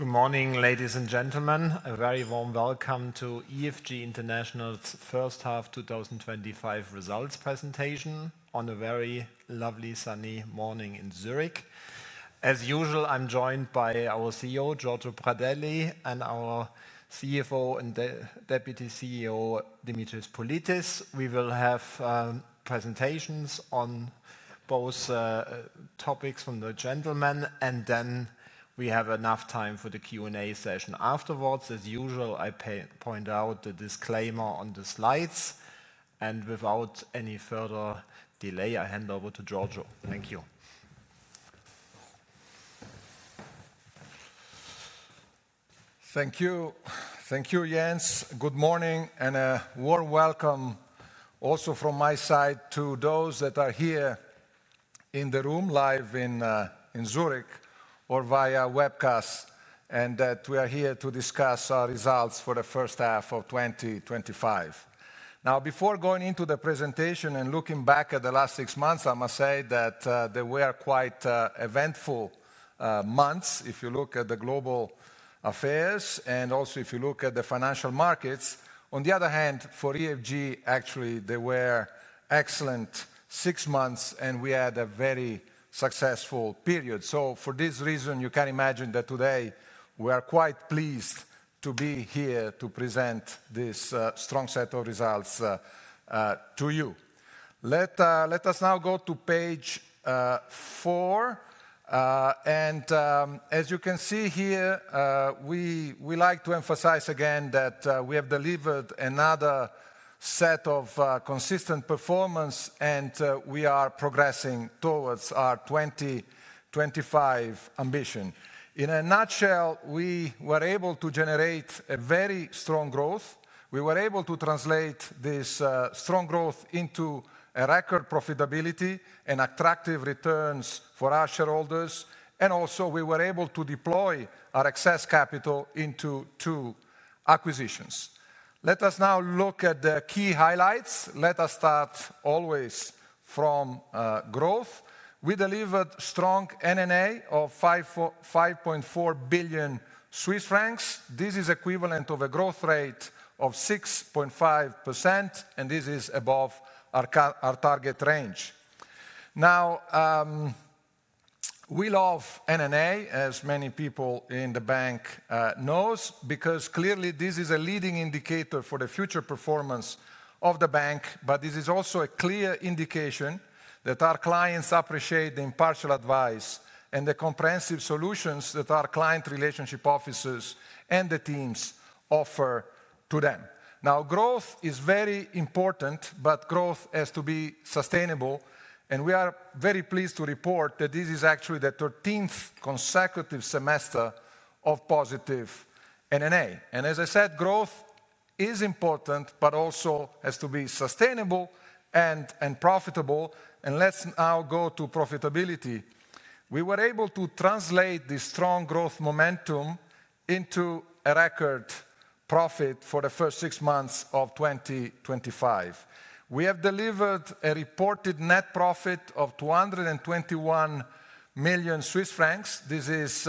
Good morning, ladies and gentlemen. A very warm welcome to EFG International's first half 2025 results presentation on a very lovely sunny morning in Zurich. As usual, I'm joined by our CEO Giorgio Pradelli and our CFO and Deputy CEO Dimitris Politis. We will have presentations on both topics from the gentlemen, and then we have enough time for the Q&A session afterwards. As usual, I point out the disclaimer on the slides, and without any further delay, I hand over to Giorgio. Thank you. Thank you. Thank you, Jens. Good morning and a warm welcome also from my side to those that are here in the room, live in Zurich or via webcast, and that we are here to discuss our results for the first half of 2025. Now, before going into the presentation and looking back at the last six months, I must say that they were quite eventful months if you look at the global affairs and also if you look at the financial markets. On the other hand, for EFG, actually there were excellent six months and we had a very successful period. For this reason you can imagine that today we are quite pleased to. Be here to present this strong set of results to you. Let us now go to page four. As you can see here, we like to emphasize again that we have delivered another set of consistent performance and we are progressing towards our 2025 ambition. In a nutshell, we were able to generate a very strong growth. We were able to translate this strong growth into a record profitability and attractive returns for our shareholders. We were also able to deploy our excess capital into two acquisitions. Let us now look at the key highlights. Let us start always from growth. We delivered strong NNA of 5.4 billion Swiss francs. This is equivalent of a growth rate of 6.5%. This is above our target range. Now, we love NNA, as many people in the bank know, because clearly this is a leading indicator for the future performance of the bank. This is also a clear indication that our clients appreciate the impartial advice and the comprehensive solutions that our client relationship officers and the teams offer to them. Growth is very important, but growth has to be sustainable. We are very pleased to report that this is actually the 13th consecutive semester of positive NNA. As I said, growth is important, but also has to be sustainable and profitable. Let's now go to profitability. We were able to translate this strong growth momentum into a record profit. For the first six months of 2025, we have delivered a reported net profit of 221 million Swiss francs. This is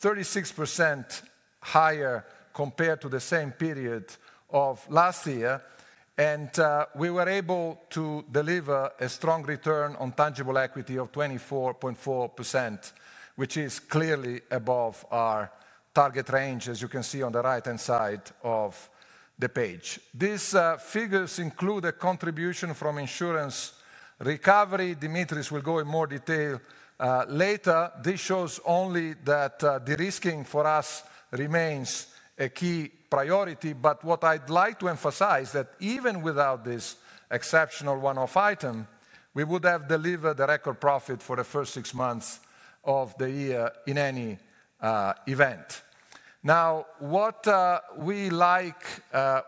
36% higher compared to the same period of last year. We were able to deliver a strong return on tangible equity of 24.4%, which is clearly above our target range. As you can see on the right-hand side of the page, these figures include a contribution from insurance recovery. Dimitris will go in more detail later. This shows only that de-risking for us remains a key priority. What I'd like to emphasize is that even without this exceptional one-off item, we would have delivered the record profit for the first six months of the year in any event. What we like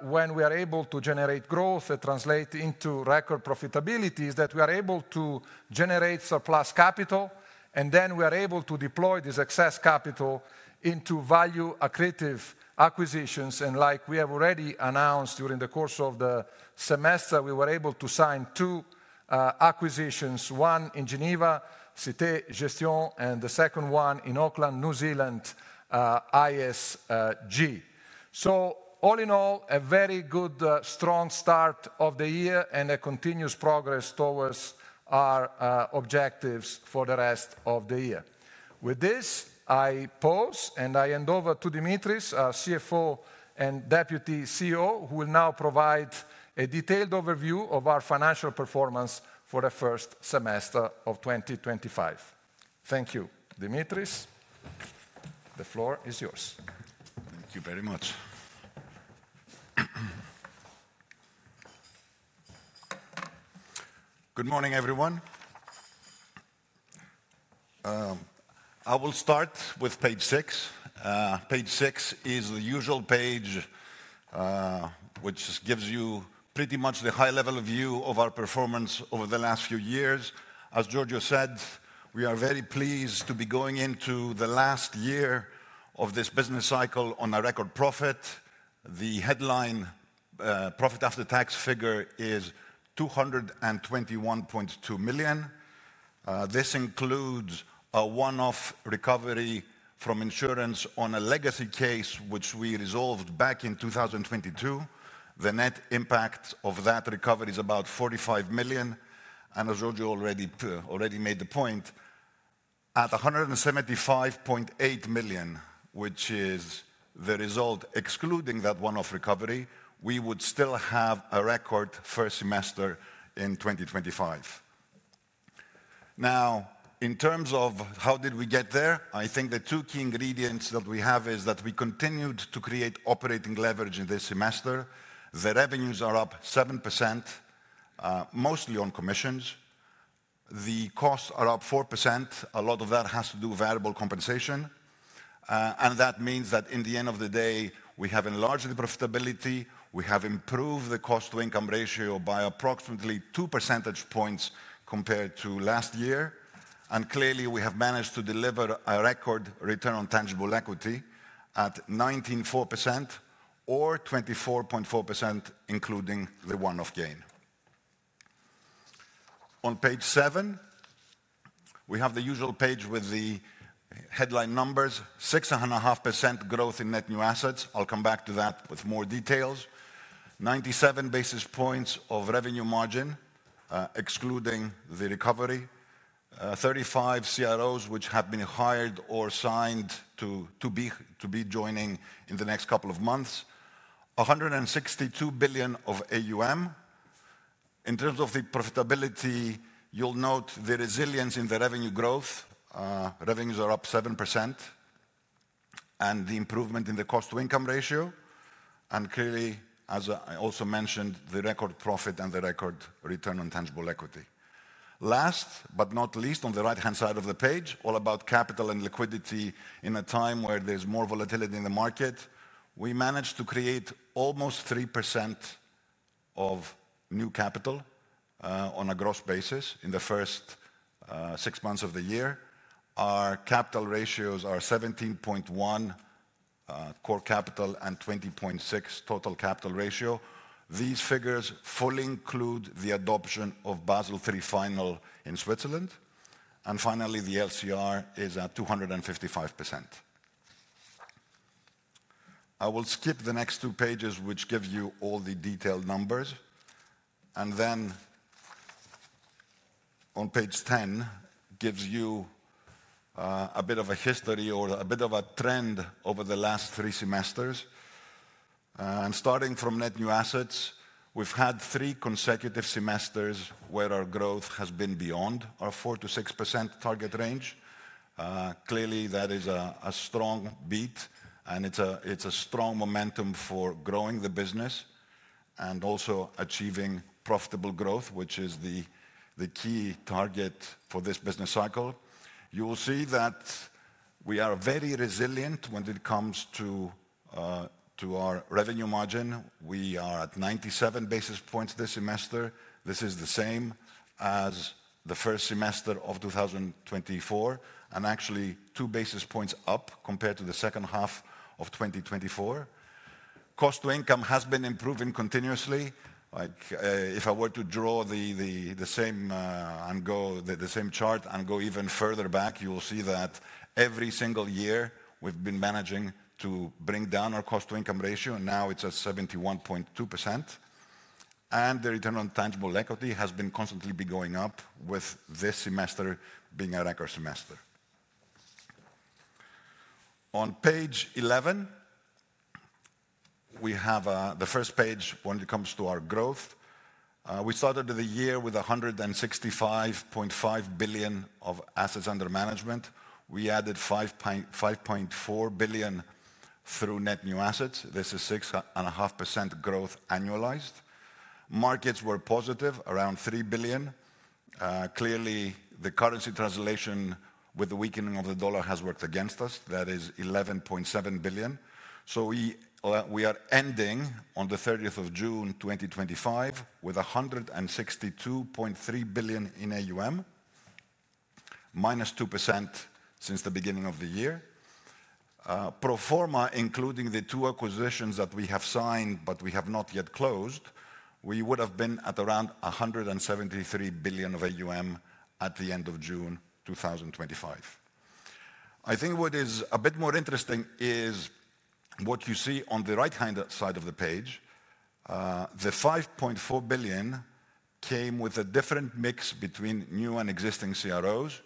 when we are able to generate growth that translates into record profitability is that we are able to generate surplus capital. We are then able to deploy this excess capital into value accretive acquisitions. Like we have already announced, during the course of the semester we were able to sign two acquisitions: one in Geneva, Cité Gestion, and the second one in Auckland, New Zealand, ISG. All in all, a very good strong start of the year and a continuous progress towards our objectives for the rest of the year. With this I pause and I hand over to Dimitris, our CFO and Deputy CEO, who will now provide a detailed overview of our financial performance for the first semester of 2025. Thank you. Dimitris, the floor is yours. Thank you very much. Much. Good morning everyone. I will start with page six. Page six is the usual page which gives you pretty much the high-level view of our performance over the last few years. As Giorgio said, we are very pleased to be going into the last year of this business cycle on a record profit. The headline profit after tax figure is 221.2 million. This includes a one-off recovery from insurance on a legacy case which we resolved back in 2022. The net impact of that recovery is about 45 million. As Giorgio already made the point, at 175.8 million, which is the result excluding that one-off recovery, we would still have a record first semester in 2025. Now in terms of how did we get there, I think the two key ingredients that we have is that we continued to create operating leverage in this semester. The revenues are up 7%, mostly on commissions. The costs are up 4%. A lot of that has to do with variable compensation. That means that at the end of the day we have enlarged the profitability. We have improved the cost-to-income ratio by approximately 2 percentage points compared to last year. Clearly, we have managed to deliver a record return on tangible equity at 19.4% or 24.4% including the one-off gain. On page seven we have the usual page with the headline numbers. 6.5% growth in net new assets. I'll come back to that with more details. 97 basis points of revenue margin excluding the recovery. 35 CROs which have been hired or signed to be joining in the next couple of months. 162 billion of AUM. In terms of the profitability, you'll note the resilience in the revenue growth. Revenues are up 7% and the improvement in the cost-to-income ratio. Clearly, as I also mentioned, the record profit and the record return on tangible equity. Last but not least, on the right-hand side of the page, all about capital and liquidity. In a time where there's more volatility in the market, we managed to create almost 3% of new capital on a gross basis in the first six months of the year. Our capital ratios are 17.1% core capital and 20.6% total capital ratio. These figures fully include the adoption of Basel. III Final in Switzerland. Finally, the LCR is at 255%. I will skip the next two pages which give you all the detailed numbers. On page ten, it gives you a bit of a history or a bit of a trend. Over the last three semesters, starting from net new assets, we've had three consecutive semesters where our growth has been beyond our 4%-6% target range. Clearly that is a strong beat and it's a strong momentum for growing the business and also achieving profitable growth, which is the key target for this business cycle. You will see that we are very resilient when it comes to our revenue margin. We are at 97 basis points this semester. This is the same as the first semester of 2024 and actually 2 basis points up compared to the second half of 2024. Cost-to-income has been improving continuously. If I were to draw the same chart and go even further back, you will see that every single year we've been managing to bring down our cost-to-income ratio and now it's at 71.2%. The return on tangible equity has been constantly going up, with this semester being a record semester. On page 11 we have the first page when it comes to our growth. We started the year with 165.5 billion of assets under management. We added 5.4 billion through net new assets. This is 6.5% growth annualized. Markets were positive around 3 billion. Clearly the currency translation with the weakening of the dollar has worked against us. That is 11.7 billion. We are ending on the 30th of June 2025 with 162.3 billion in AUM, -2% since the beginning of the year. Pro forma, including the two acquisitions that we have signed but we have not yet closed, we would have been at around 173 billion of AUM at the end of June 2025. I think what is a bit more interesting is what you see on the right-hand side of the page. The 5.4 billion came with a different mix between new and existing CROs.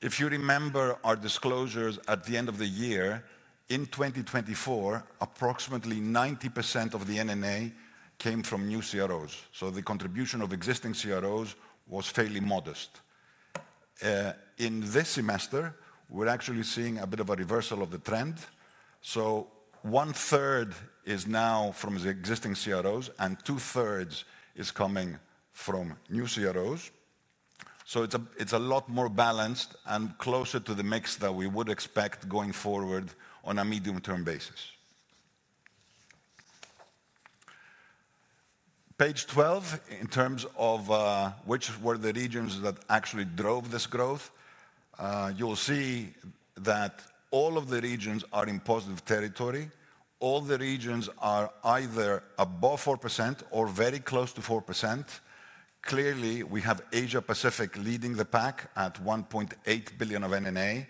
If you remember our disclosures at the end of the year in 2024, approximately 90% of the NNA came from new CROs, so the contribution of existing CROs was fairly modest. In this semester we're actually seeing a bit of a reversal of the trend. 1/3 is now from the existing CROs and 2/3 is coming from new CROs. It's a lot more balanced and closer to the mix than we would expect going forward on a medium-term basis. Page 12. In terms of which were the regions that actually drove this growth, you'll see that all of the regions are in positive territory. All the regions are either above 4% or very close to 4%. Asia Pacific is leading the pack at 1.8 billion of NNA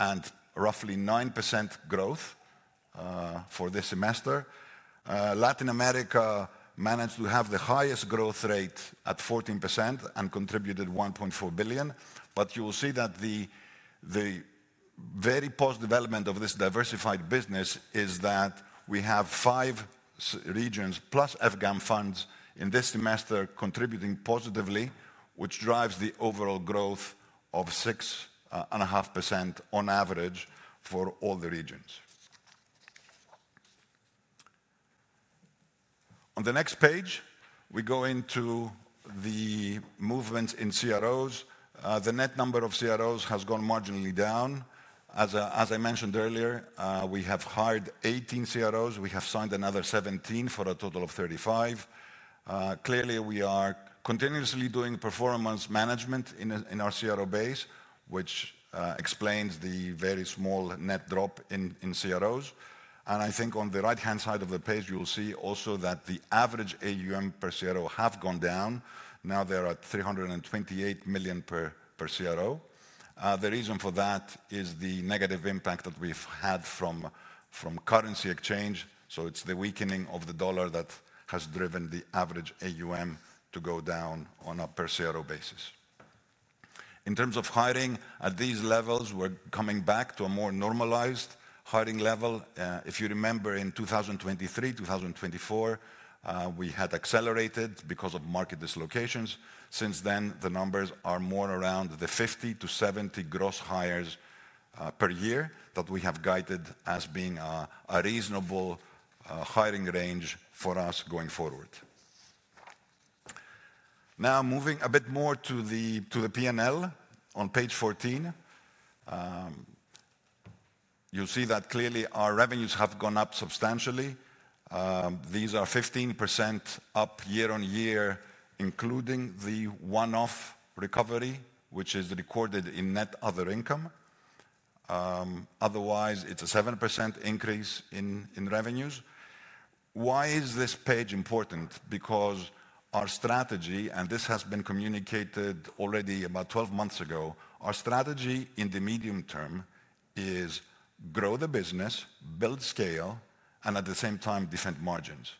and roughly 9% growth for this semester. Latin America managed to have the highest growth rate at 14% and contributed 1.4 billion. You will see that the very positive element of this diversified business is that we have five regions plus Afghan funds in this semester contributing positively, which drives the overall growth of 6.5% on average for all the regions. On the next page we go into the movements in CROs. The net number of CROs has gone marginally down. As I mentioned earlier, we have hired 18 CROs. We have signed another 17 for a total of 35. Clearly we are continuously doing performance management in our CRO base, which explains the very small net drop in CROs. I think on the right-hand side of the page you will see also that the average AUM per CRO has gone down. Now they are at 328 million per CRO. The reason for that is the negative impact that we've had from currency exchange. It's the weakening of the dollar that has driven the average AUM to go down on a per CRO basis. In terms of hiring at these levels, we're coming back to a more normalized hiring level. If you remember in 2023, 2024, we had accelerated because of market dislocations. Since then, the numbers are more around the 50-70 gross hires per year that we have guided as being a reasonable hiring range for us going forward. Now, moving a bit more to the P&L, on page 14, you'll see that clearly our revenues have gone up substantially. These are 15% up year on year, including the one-off recovery which is recorded in net other income. Otherwise it's a 7% increase in revenues. Why is this page important? Because our strategy, and this has been communicated already about 12 months ago, our strategy in the medium-term is grow the business, build scale and at the same time defend margins.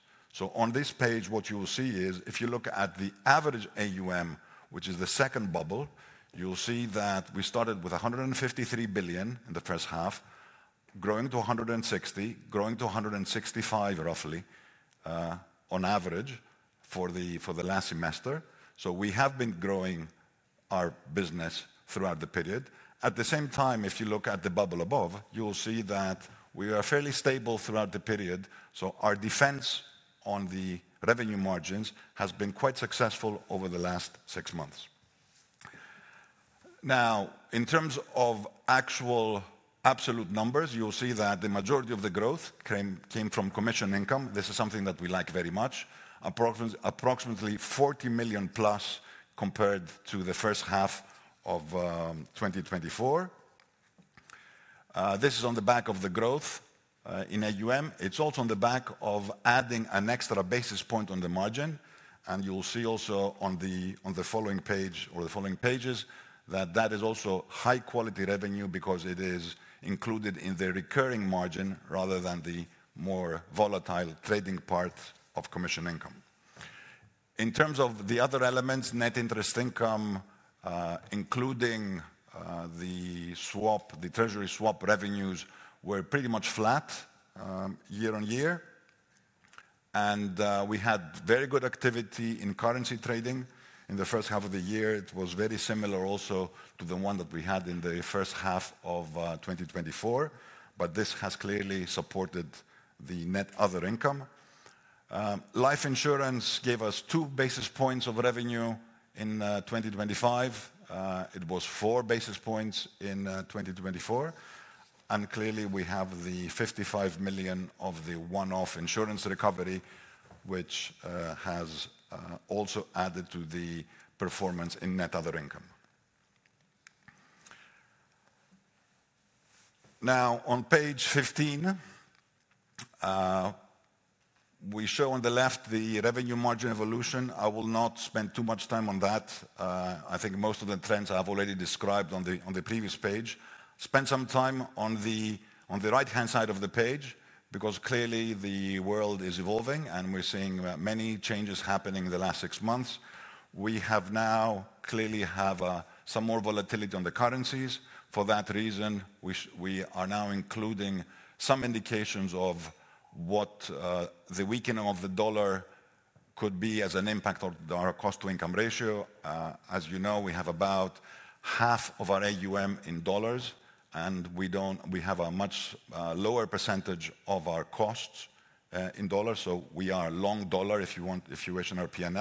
On this page what you will see is if you look at the average AUM, which is the second bubble, you'll see that we started with 153 billion in the first half, growing to 160 billion, growing to 165 billion roughly on average for the last semester. We have been growing our business throughout the period. At the same time, if you look at the bubble above, you will see that we are fairly stable throughout the period. Our defense on the revenue margins has been quite successful over the last six months. In terms of actual absolute numbers, you'll see that the majority of the growth came from commission income. This is something that we like very much. Approximately 40+ million compared to the first half of 2024. This is on the back of the growth in AUM. It's also on the back of adding an extra basis point on the margin. You'll see also on the following page or the following pages that that is also high quality revenue because it is included in the recurring margin rather than the more volatile trading part of commission income. In terms of the other elements, net interest income, including the treasury swap revenues, were pretty much flat year on year and we had very good activity in currency trading in the first half of the year. It was very similar also to the one that we had in the first half of 2024. This has clearly supported the net other income. Life insurance gave us 2 basis points of revenue in 2025. It was 4 basis points in 2024. We have the 55 million of the one-off insurance recovery, which has also added to the performance in net other income. Now on page 15 we show on the left the revenue margin evolution. I will not spend too much time on that. I think most of the trends I have already described on the previous page. Spend some time on the right-hand side of the page because clearly the world is evolving and we're seeing many changes happening in the last six months. We have now clearly some more volatility on the currencies. For that reason we are now including some indications of what the weakening of the dollar could be as an impact on our cost-to-income ratio. As you know, we have about half of our AUM in dollars and we have a much lower percentage of our costs in dollars. We are long dollar if you wish in our P&L.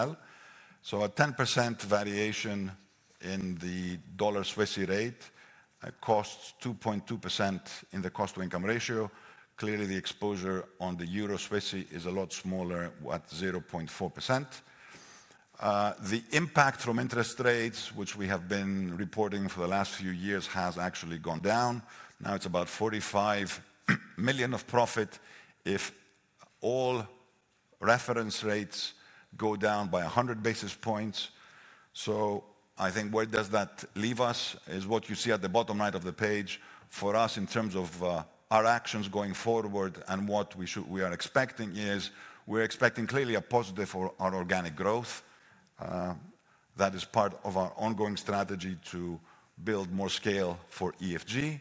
A 10% variation in the dollar-Swiss rate costs 2.2% in the cost-to-income ratio. The exposure on the euro-Swiss is a lot smaller at 0.4%. The impact from interest rates, which we have been reporting for the last few years, has actually gone down. Now it's about 45 million of profit if all reference rates go down by 100 basis points. Where does that leave us is what you see at the bottom right of the page for us in terms of our actions going forward. What we are expecting is we're expecting clearly a positive for our organic growth. That is part of our ongoing strategy to build more scale for EFG.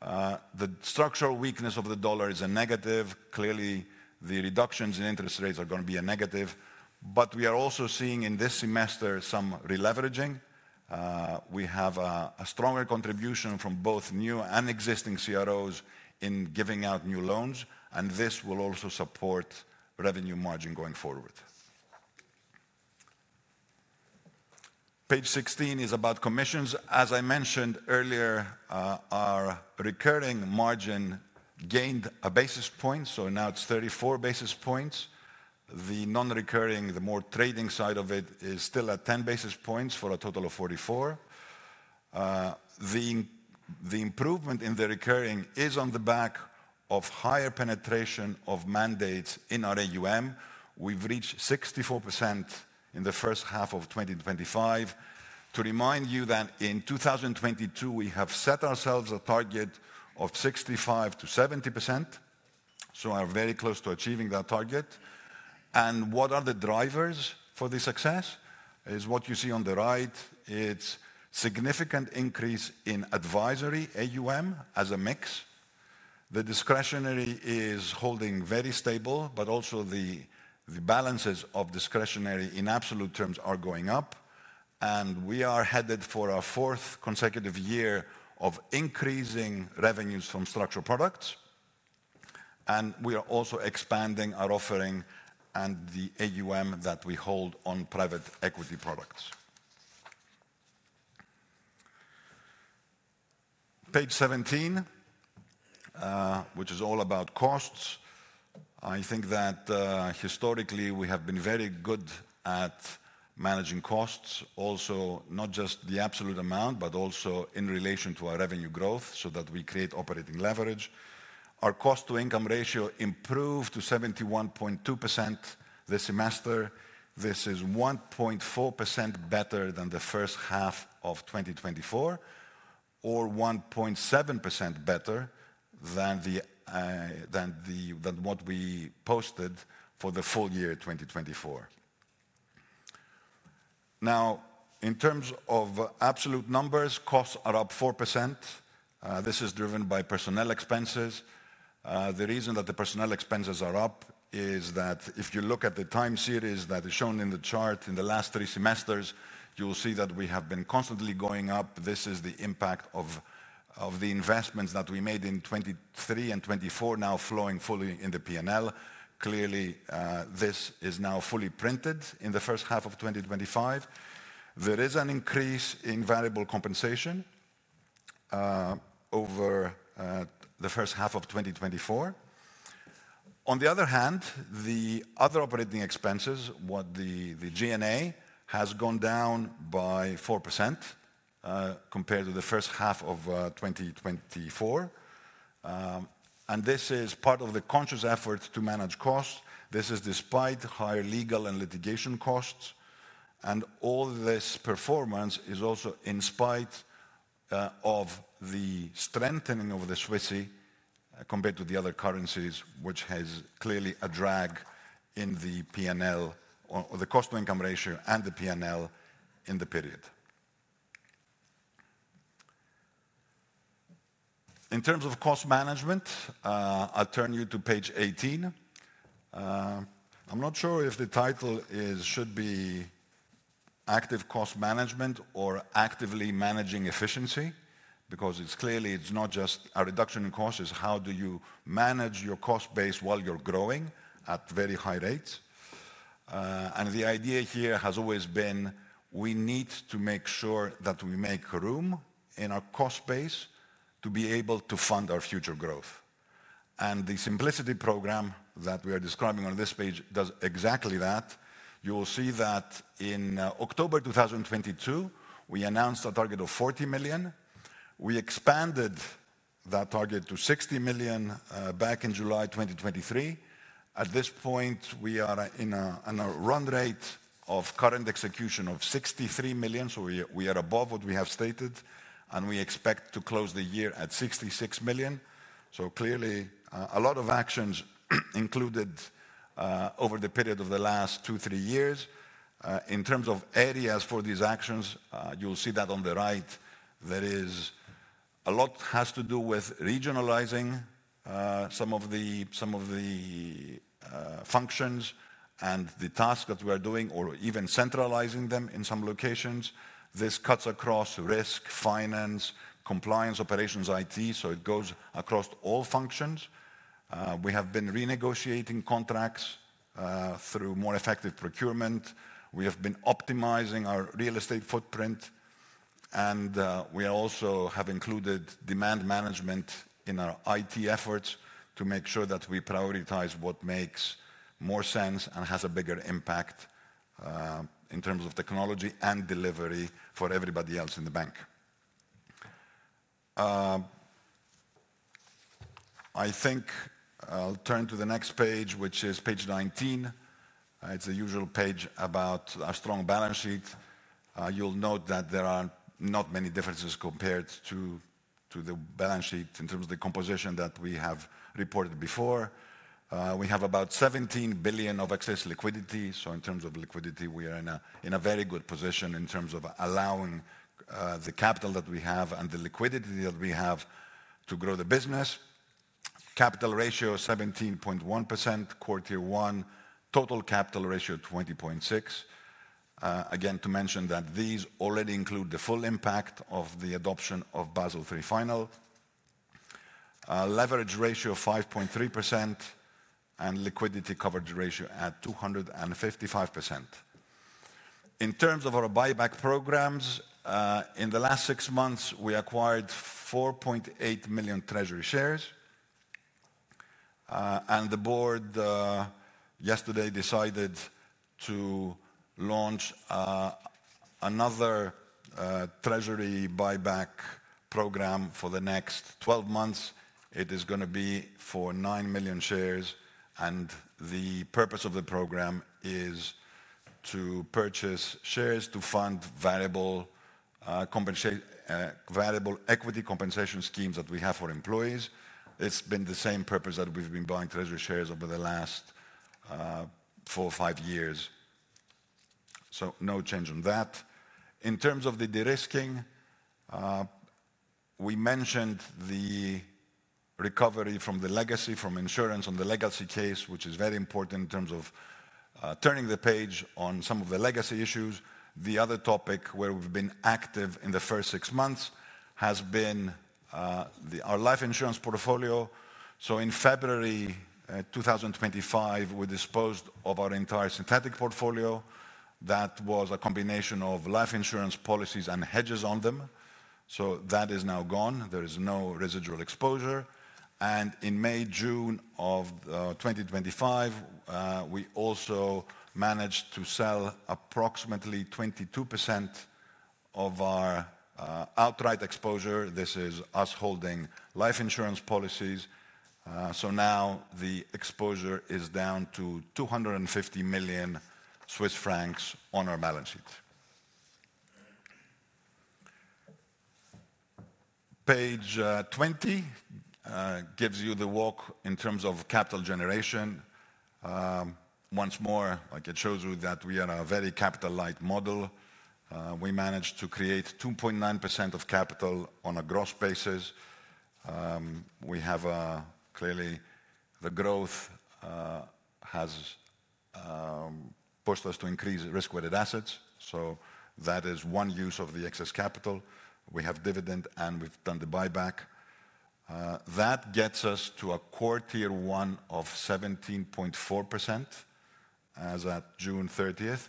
The structural weakness of the dollar is a negative. Clearly the reductions in interest rates are going to be a negative. We are also seeing in this semester some releveraging. We have a stronger contribution from both new and existing CROs in giving out new loans. This will also support revenue margin going forward. Page 16 is about commissions. As I mentioned earlier, our recurring margin gained a basis point, so now it's 34 basis points. The non-recurring, the more trading side of it, is still at 10 basis points for a total of 44. The improvement in the recurring is on the back of higher penetration of mandates. In our AUM we've reached 64% in the first half of 2025. To remind you, in 2022 we set ourselves a target of 65%-70%, so I'm very close to achieving that target. The drivers for the success are what you see on the right. It's a significant increase in advisory AUM as a mix. The discretionary is holding very stable, but also the balances of discretionary in absolute terms are going up. We are headed for our fourth consecutive year of increasing revenues from structured products. We are also expanding our offering and the AUM that we hold on private equity products. Page 17, which is all about costs. I think that historically we have been very good at managing costs, not just the absolute amount, but also in relation to our revenue growth so that we create operating leverage. Our cost-to-income ratio improved to 71.2% this semester. This is 1.4% better than the first half of 2024 or 1.7% better than what we posted for the full year 2024. In terms of absolute numbers, costs are up 4%. This is driven by personnel expenses. The reason that the personnel expenses are up is that if you look at the time series that is shown in the chart in the last three semesters, you will see that we have been constantly going up. This is the impact of the investments that we made in 2023 and 2024 now flowing fully in the P&L. Clearly, this is now fully printed in the first half of 2025. There is an increase in variable compensation over the first half of 2024. On the other hand, the other operating expenses, the G&A, has gone down by 4% compared to the first half of 2024. This is part of the conscious effort to manage costs. This is despite higher legal and litigation costs. All this performance is also in spite of the strengthening of the Swissie compared to the other currencies, which has clearly a drag in the P&L, the cost-to-income ratio, and the P&L in the period. In terms of cost management, I'll turn you to page 18. I'm not sure if the title should be Active Cost Management or Actively Managing Efficiency because it's clearly it's not just a reduction in cost, it's how do you manage your cost base while you're growing at very high rates. The idea here has always been we need to make sure that we make room in our cost base to be able to fund our future growth. The Simplicity program that we are describing on this page does exactly that. You will see that in October 2022 we announced a target of 40 million. We expanded that target to 60 million back in July 2023. At this point we are in a run rate of current execution of 63 million. We are above what we have stated and we expect to close the year at 66 million. Clearly a lot of actions included over the period of the last two, three years. In terms of areas for these actions, you'll see that on the right there is a lot has to do with regionalizing some of the functions and the tasks that we are doing or even centralizing them in some locations. This cuts across risk, finance, compliance, operations. It goes across all functions. We have been renegotiating contracts through more effective procurement. We have been optimizing our real estate footprint and we also have included demand management in our IT efforts to make sure that we prioritize what makes more sense and has a bigger impact in terms of technology and delivery for everybody else in the bank. I think I'll turn to the next page, which is page 19. It's a usual page about a strong balance sheet. You'll note that there are not many differences compared to the balance sheet in terms of the composition that we have reported before. We have about 17 billion of excess liquidity. In terms of liquidity we are in a very good position in terms of allowing the capital that we have and the liquidity that we have to grow. The business capital ratio 17.1% Q1, total capital ratio 20.6%. Again to mention that these already include the full impact of the adoption of Basel. III Final, leverage ratio of 5.3% and liquidity coverage ratio at 255%. In terms of our buyback programs, in the last six months we acquired 4.8 million treasure shares. The Board yesterday decided to launch another treasury buyback program for the next 12 months. It is going to be for 9 million shares. The purpose of the program is to purchase shares to fund variable equity compensation schemes that we have for employees. It's been the same purpose that we've been buying treasury shares over the last four or five years. No change on that. In terms of the de-risking, we mentioned the recovery from the legacy from insurance on the legacy case, which is very important in terms of turning the page on some of the legacy issues. The other topic where we've been active in the first six months has been our life insurance portfolio. In February 2025, we disposed of our entire synthetic portfolio that was a combination of life insurance policies and hedges on them. That is now gone. There is no residual exposure. In May and June of 2025, we also managed to sell approximately 22% of our outright exposure. This is us holding life insurance policies. Now the exposure is down to 250 million Swiss francs on our balance sheet. Page 20 gives you the walk in terms of capital generation once more. It shows you that we are a very capital-light model. We managed to create 2.9% of capital on a gross basis. Clearly, the growth has pushed us to increase risk-weighted assets. That is one use of the excess capital. We have dividend and we've done the buyback that gets us to a core tier one of 17.4% as at June 30th.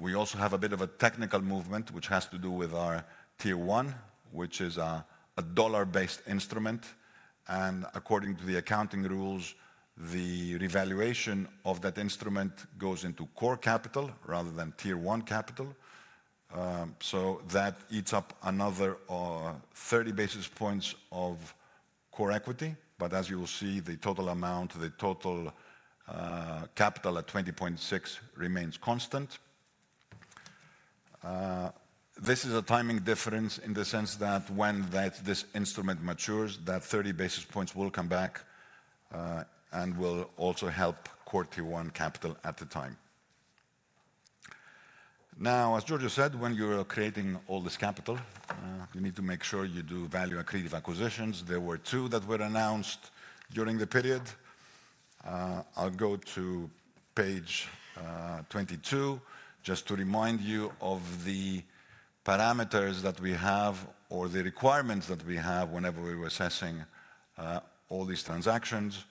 We also have a bit of a technical movement which has to do with our tier one, which is a dollar-based instrument. According to the accounting rules, the revaluation of that instrument goes into core capital rather than tier one capital. That eats up another 30 basis points of core equity. As you will see, the total amount, the total capital at 20.6% remains constant. This is a timing difference in the sense that when this instrument matures, that 30 basis points will come back and will also help core tier one capital at the time. Now, as Giorgio Pradelli said, when you are creating all this capital, you need to make sure you do value-accretive acquisitions. There were two that were announced during the period. I'll go to page 22 just to remind you of the parameters that we have or the requirements that we have whenever we are assessing all these transactions.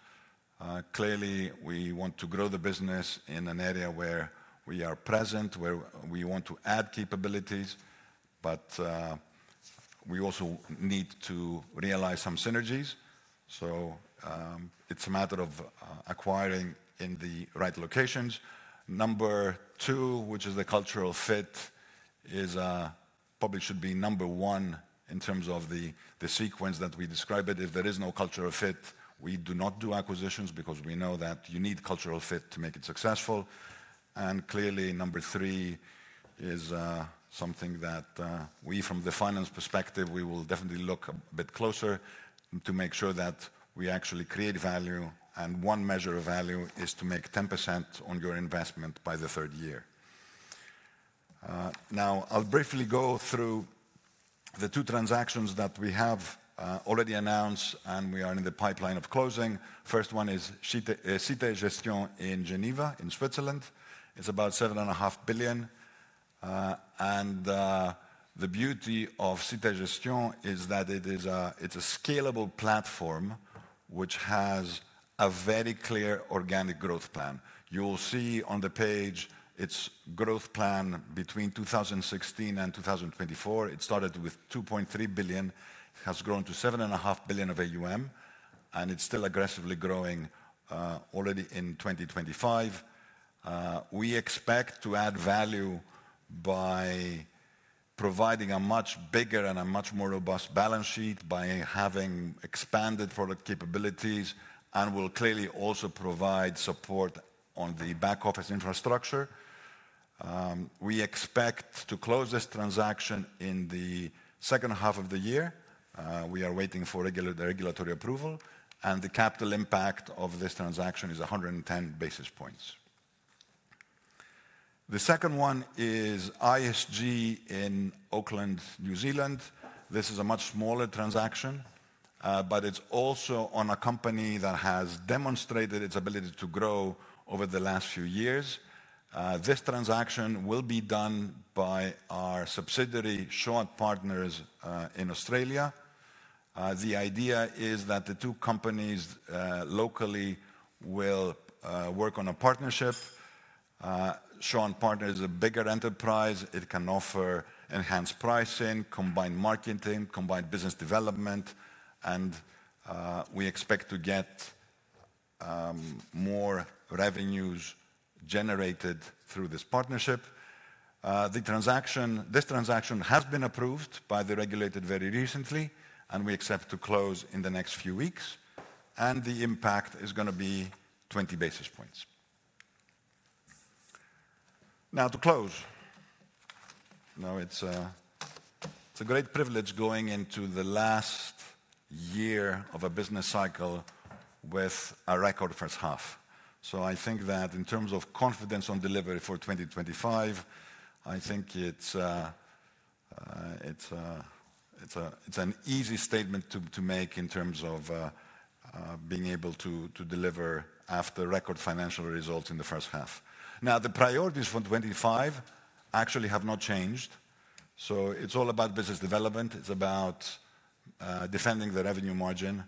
Clearly, we want to grow the business in an area where we are present, where we want to add capabilities, but we also need to realize some synergies. It's a matter of acquiring in the right locations. Number two, which is the cultural fit, probably should be number one in terms of the sequence that we describe it. If there is no cultural fit, we do not do acquisitions because we know that you need cultural fit to make it successful. Clearly, number three is something that we, from the finance perspective, will definitely look a bit closer to make sure that we actually create value. One measure of value is to make 10% on your investment by the third year. Now, I'll briefly go through the two transactions that we have already announced and we are in the pipeline of closing. The first one is Cité Gestion in Geneva in Switzerland. It's about 7.5 billion. The beauty of Cité Gestion is that it's a scalable platform which has a very clear organic growth plan. You'll see on the page its growth plan between 2016 and 2024. It started with 2.3 billion, has grown to 7.5 billion of AUM and it's still aggressively growing already in 2025. We expect to add value by providing a much bigger and a much more robust balance sheet, by having expanded product capabilities and will clearly also provide support on the back office infrastructure. We expect to close this transaction in the second half of the year. We are waiting for the regulatory approval and the capital impact of this transaction is 110 basis points. The second one is ISG in Auckland, New Zealand. This is a much smaller transaction, but it's also on a company that has demonstrated its ability to grow over the last few years. This transaction will be done by our subsidiary Shaw Partners in Australia. The idea is that the two companies locally will work on a partnership. Shaw Partners is a bigger enterprise. It can offer enhanced pricing, combined marketing, combined business development. We expect to get more revenues generated through this partnership. This transaction has been approved by the regulator very recently and we expect to close in the next few weeks and the impact is going to be 20 basis points. Now to close. It's a great privilege going into the last year of a business cycle with a record first half. I think that in terms of confidence on delivery for 2025, I think it's an easy statement to make in terms of being able to deliver after record financial results in the first half. The priorities for 2025 actually have not changed. It's all about business development, it's about defending the revenue margin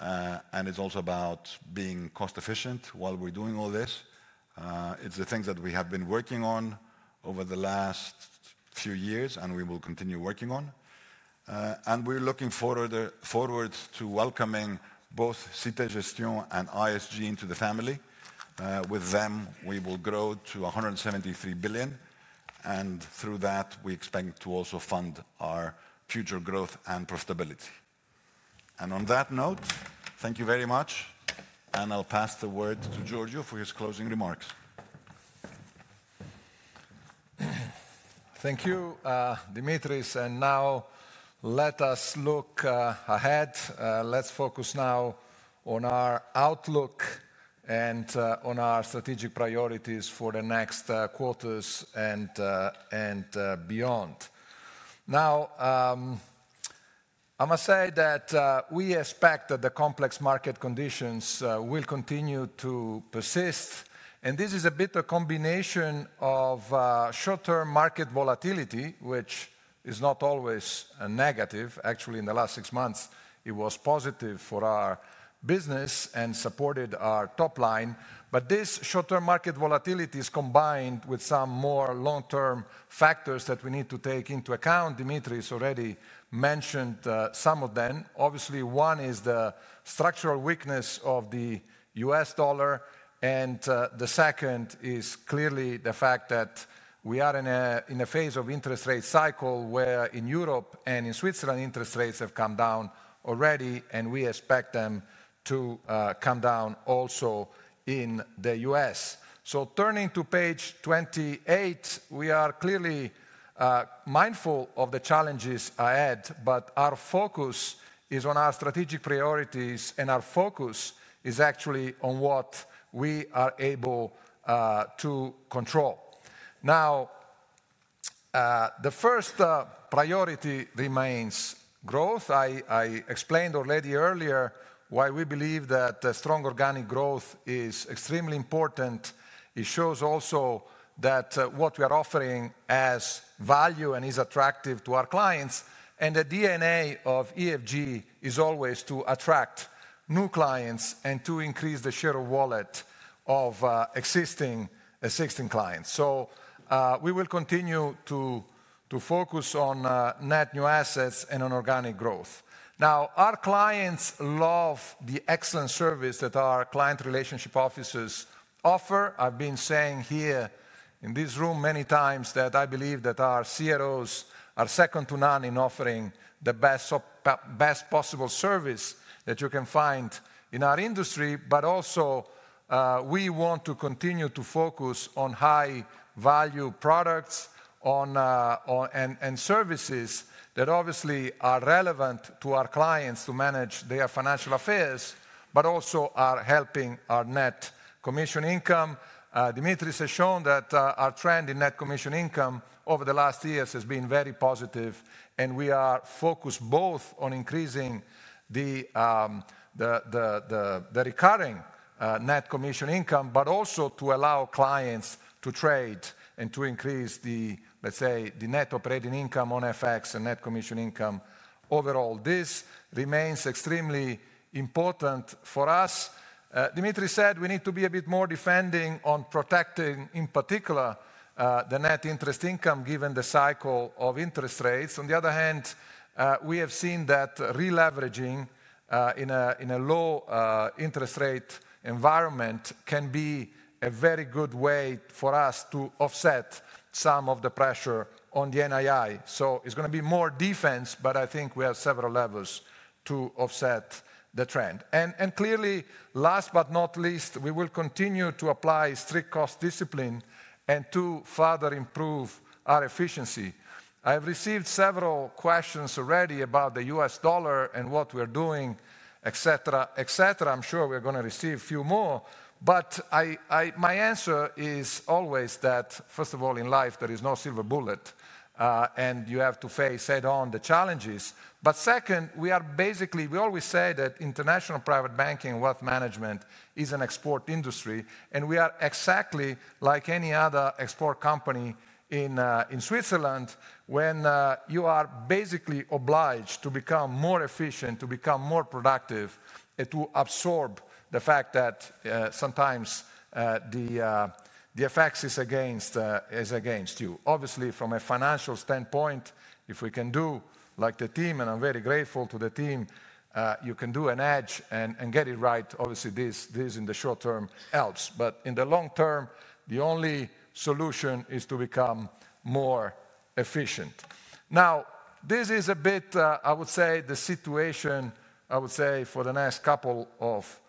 and it's also about being cost efficient while we're doing all this. It's the things that we have been working on over the last few years, and we will continue working on, and we're looking forward to welcoming both Cité Gestion and ISG into the family. With them, we will grow to 173 billion, and through that, we expect to also fund our future growth and profitability. On that note, thank you very much, and I'll pass the word to Giorgio for his closing remarks. Thank you, Dimitris. Now let us look ahead. Let's focus on our outlook. On our strategic priorities for the next quarters and beyond. Now I must say that we expect that the complex market conditions will continue to persist. This is a bit of a combination of short term market volatility, which is not always negative. Actually, in the last six months, it was positive for our business and supported our top line. This short term market volatility is combined with some more long term factors that we need to take into account. Dimitris has already mentioned some of them. Obviously, one is the structural weakness of the U.S. dollar, and the second is clearly the fact that we are in a phase of interest rate cycle where in Europe and in Switzerland interest rates have come down already. We expect them to come down also. In the U.S., turning to page 28, we are clearly mindful of the challenges ahead, but our focus is on our strategic priorities and our focus is actually on what we are able to control. Now the first priority remains growth. I explained already earlier why we believe that strong organic growth is extremely important. It shows also that what we are offering has value and is attractive to our clients. The DNA of EFG is always to attract new clients and to increase the share of wallet of existing clients. We will continue to focus on net new assets and on organic growth. Our clients love the excellent service that our client relationship officers offer. I've been saying here in this room many times that I believe that our CROs are second to none in offering the best possible service that you can find in our industry. We want to continue to focus on high value products and services that obviously are relevant to our clients to manage their financial affairs but also are helping our net commission income. Dimitris has shown that our trend in net commission income over the last years has been very positive and we are focused both on increasing the recurring net commission income but also to allow clients to trade and to increase the, let's say, the net operating income on FX and net commission income overall. This remains extremely important for us. Dimitris said we need to be a bit more defending on protecting in particular the net interest income given the cycle of interest rates. On the other hand, we have seen that releveraging in a low interest rate environment can be a very good way for us to offset some of the pressure on the NII. It is going to be more defense. I think we have several levers. To offset the trend. Clearly, last but not least, we will continue to apply strict cost discipline and to further improve our efficiency. I have received several questions already about the U.S. dollar and what we're doing, etc. I'm sure we're going to receive a few more, but my answer is always that first of all in life there. is no silver bullet and you have. To face head on the challenges. Second, we always say that international private banking wealth management is an export industry, and we are exactly like any other export company in Switzerland. When you are basically obliged to become more efficient, to become more productive, to. Absorb the fact that sometimes the effects are against you. Obviously, from a financial standpoint, if we can do like the team, and I'm very grateful to the team, you can do an edge and get it right. Obviously, this in the short term helps. In the long term the only solution is to become more efficient. Now this is a bit, I would say, the situation for the next couple of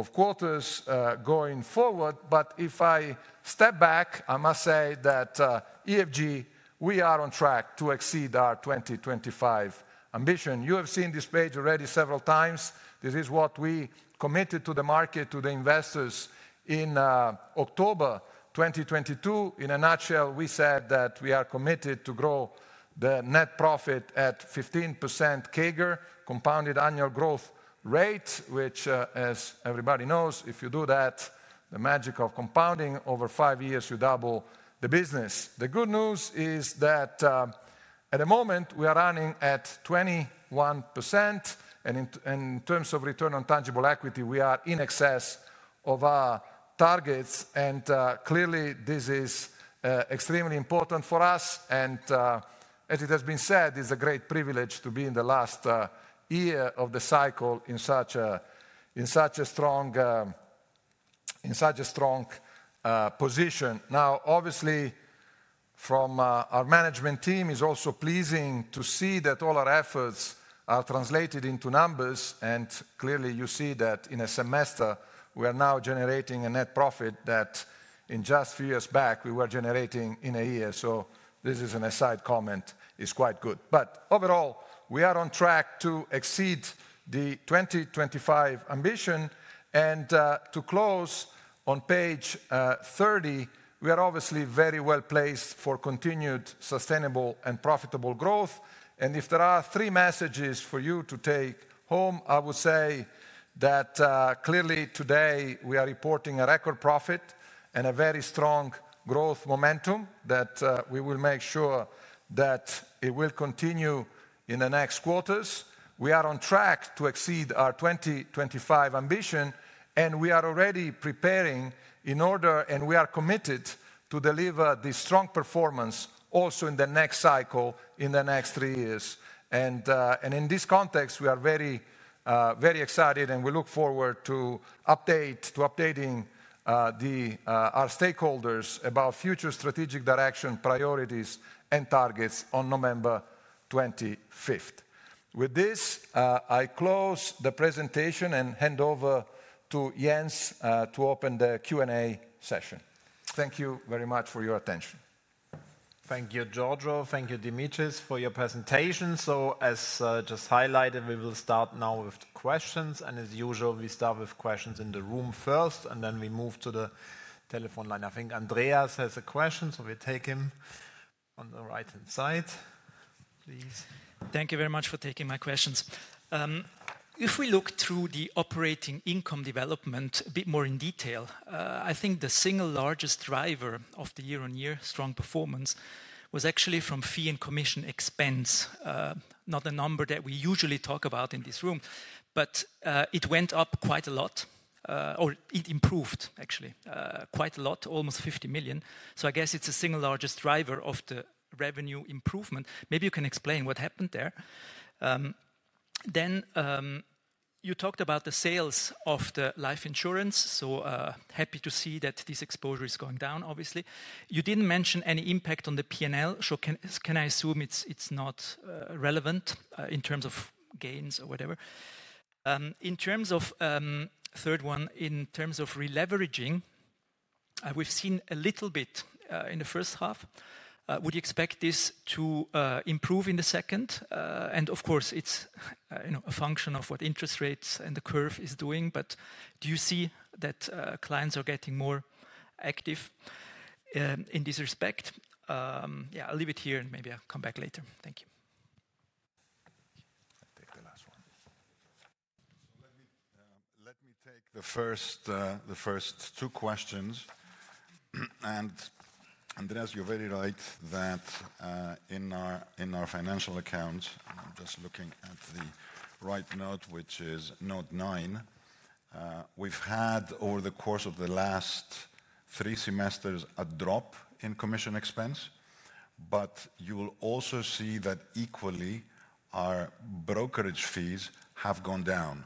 quarters going forward. If I step back, I must say that at EFG we are on track to exceed our 2025 ambition. You have seen this page already several times. This is what we committed to the market, to the investors in October 2022. In a nutshell, we said that we are committed to grow the net profit at 15% CAGR, which as everybody knows, if you do that, the magic of compounding over five years you double the business. The good news is that at the moment we are running at 21%, and in terms of return on tangible equity we are in excess of our targets. Clearly this is extremely important for us. As it has been said, it's a great privilege to be in the last year of the cycle in such a strong position. Obviously from our management team it is also pleasing to see that all our efforts are translated into numbers. Clearly you see that in a semester we are now generating a net profit that in just a few years back we were generating in a year. This is an aside comment. It's quite good. Overall, we are on track to exceed the 2025 ambition. To close on page 30, we are obviously very well placed for continued sustainable and profitable growth. If there are three messages for you to take home, I would say that clearly today we are reporting a record profit and a very strong growth momentum that we will make sure will continue in the next quarters. We are on track to exceed our 2025 ambition. We are already preparing and we are committed to deliver this strong performance also in the next cycle, in the next three years. In this context, we are very, very excited and we look forward to updating our stakeholders about future strategic direction, priorities, and targets on November 25th. With this, I close the presentation and hand over to Jens to open the Q&A session. Thank you very much for your attention. Thank you, Giorgio. Thank you, Dimitris, for your presentation. As just highlighted, we will start now with questions, and as usual, we start with questions in the room first and then we move to the telephone line. I think Andreas has a question, so we take him on the right-hand side, please. Thank you very much for taking my questions. If we look through the operating income development a bit more in detail, I think the single largest driver of the year-on-year strong performance was actually from fee and commission expense. Not the number that we usually talk about in this room, but it went up quite a lot, or it improved actually quite a lot. Almost 50 million. I guess it's the single largest driver of the revenue improvement. Maybe you can explain what happened there. You talked about the sales of the life insurance. Happy to see that this exposure is going down. Obviously, you didn't mention any impact on the P&L. Can I assume it's not relevant in terms of gains or whatever? In terms of the third one, in terms of releveraging, we've seen a little bit in the first half. Would you expect this to improve in the second? Of course, it's a function of what interest rates and the curve is doing. Do you see that clients are getting more active in this respect? I'll leave it here and maybe I'll come back later. Thank you. Take the last one. Let me take the first two questions. Andreas, you're very right that in our financial account, I'm just looking at the right note, which is note nine. We've had over the course of the last three semesters a drop in commission expense. You will also see that equally our brokerage fees have gone down.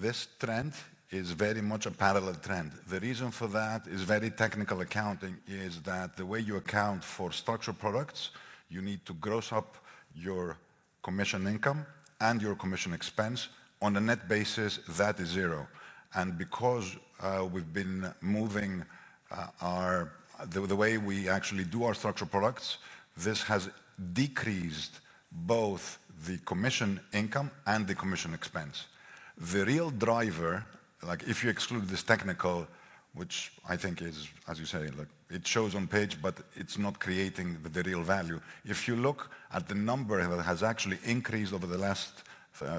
This trend is very much a parallel trend. The reason for that is very technical accounting. The way you account for structured products, you need to gross up your commission income and your commission expense. On a net basis, that is zero. Because we've been moving the way we actually do our structured products, this has decreased both the commission income and the commission expense. The real driver, if you exclude this technical, which I think is as you say, look, it shows on page but it's not creating the real value. If you look at the number that has actually increased over the last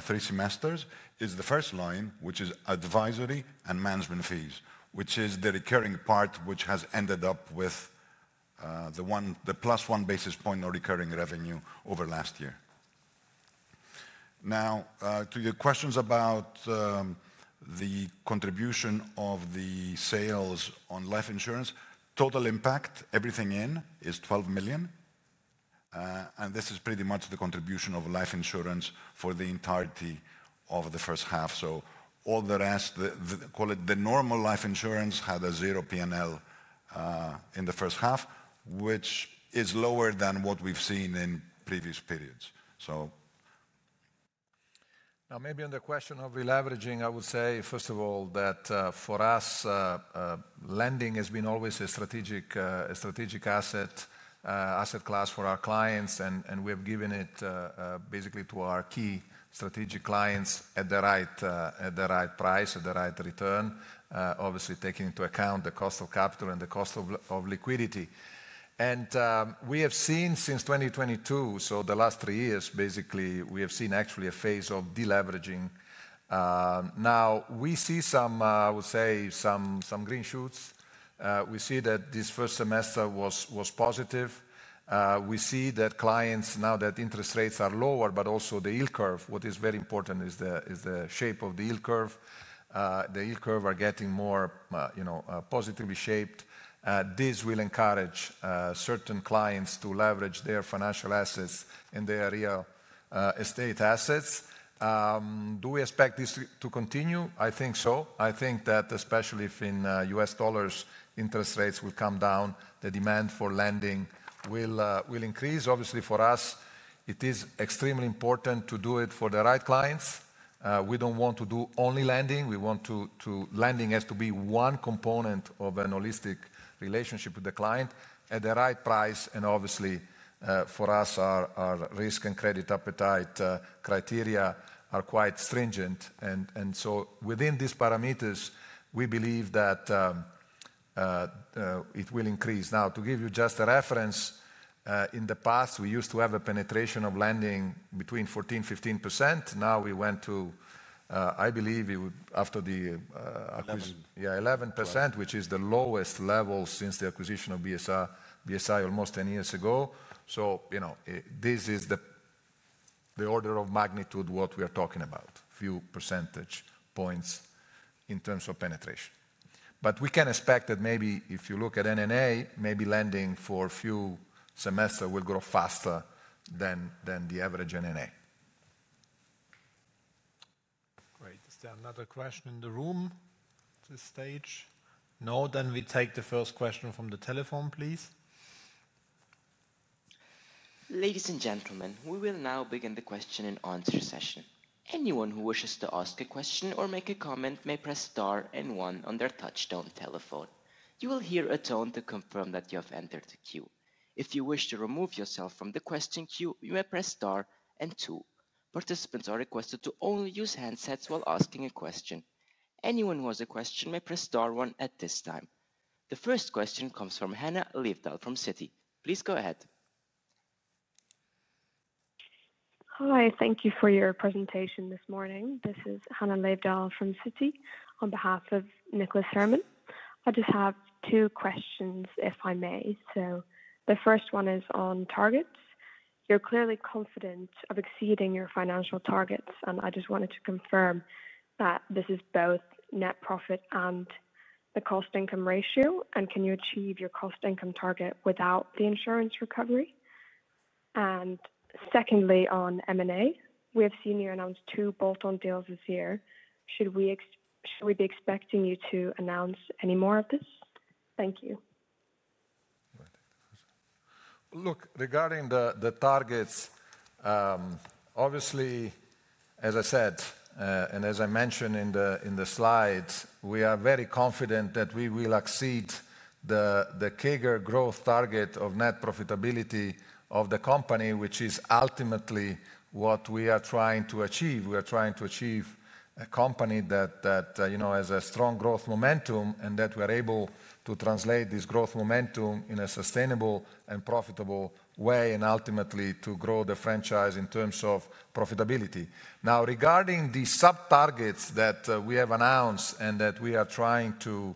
three semesters, it is the first line, which is advisory and management fees, which is the recurring part, which has ended up with the plus one basis point of recurring revenue over last year. Now to your questions about the contribution of the sales on life insurance. Total impact, everything in, is 12 million and this is pretty much the contribution of life insurance for the entirety of the first half. All the rest, call it the normal life insurance, had a zero P&L in the first half, which is lower than what we've seen in previous periods. Now maybe on the question of re. Leveraging, I would say first of all that for us lending has always been a strategic asset class for our clients. We have given it basically to our key strategic clients at the right price, at the right return, obviously taking into account the cost of capital and the cost of liquidity. We have seen since 2022, so the last three years, we have actually seen a phase of deleveraging. Now we see some green shoots. We see that this first semester was positive. We see that clients, now that interest rates are lower, but also the yield curve—what is very important is the shape of the yield curve. The yield curves are getting more positively shaped. This will encourage certain clients to leverage their financial assets and their real estate assets. Do we expect this to continue? I think so. I think that especially if in U.S. dollars interest rates will come down, the demand for lending will increase. Obviously for us it is extremely important to do it for the right clients. We don't want to do only lending. Lending has to be one component of a holistic relationship with the client at the right price. Obviously for us, our risk and credit appetite criteria are quite stringent, and within these parameters we believe that it will increase. Now to give you just a reference, in the past we used to have a penetration of lending between 14% and 15%. Now we went to, I believe after the, yeah, 11%, which is the lowest level since the acquisition of BSI almost 10 years ago. This is the order of magnitude we are talking about, a few percentage points in terms of penetration. We can expect that maybe if you look at NNA, maybe lending for a few semesters will grow faster than the average NNA. Great. Is there another question in the room at this stage? No. We take the first question from the telephone, please. Ladies and gentlemen, we will now begin the Q&A session. Anyone who wishes to ask a question or make a comment may press star and one. On their touchtone telephone, you will hear a tone to confirm that you have entered the queue. If you wish to remove yourself from the question queue, you may press star and two. Participants are requested to only use handsets while asking a question. Anyone who has a question may press star one at this time. The first question comes from Hannah Leivdal from Citi. Please go ahead. Hi, thank you for your presentation this morning. This is Hannah Leivdal from Citi on behalf of Nicholas Herman. I just have two questions if I may. The first one is on targets. You're clearly confident of exceeding your financial targets. I just wanted to confirm that this is both net profit and the cost-to-income ratio. Can you achieve your cost-to-income target without the insurance recovery? Secondly, on M&A, we have seen you announced two bolt-on deals this year. Should we be expecting you to announce any more of this? Thank you. Look, regarding the targets, obviously as I said and as I mentioned in the slide, we are very confident that we will exceed the CAGR growth target of net profitability of the company, which is ultimately what we are trying to achieve. We are trying to achieve a company that has a strong growth momentum and that we are able to translate this growth momentum in a sustainable and profitable way and ultimately to grow the franchise in terms of profitability. Now, regarding the sub targets that we have announced and that we are trying to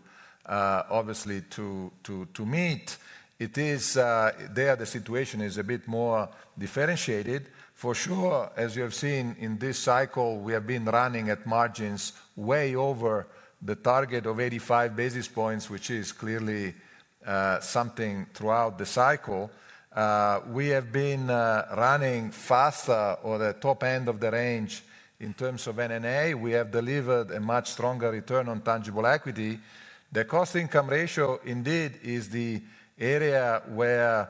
meet, it is there. The situation is a bit more differentiated, for sure. As you have seen in this cycle, we have been running at margins way over the target of 85 basis points, which is clearly something. Throughout the cycle we have been running faster or the top end of the range. In terms of NNA, we have delivered a much stronger return on tangible equity. The cost-to-income ratio indeed is the. Area where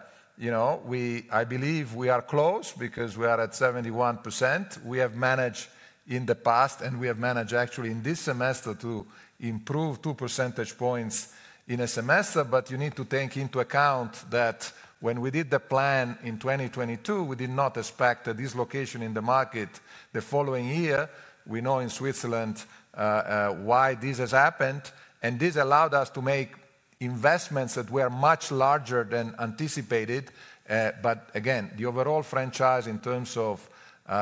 I believe we are close because we are at 71%. We have managed in the past, and we have managed actually in this semester to improve 2 percentage points in a semester. You need to take into account that when we did the plan in 2022, we did not expect a dislocation in the market the following year. We know in Switzerland why this has. Happened, and this allowed us to make. Investments that were much larger than anticipated. Again, the overall franchise in terms of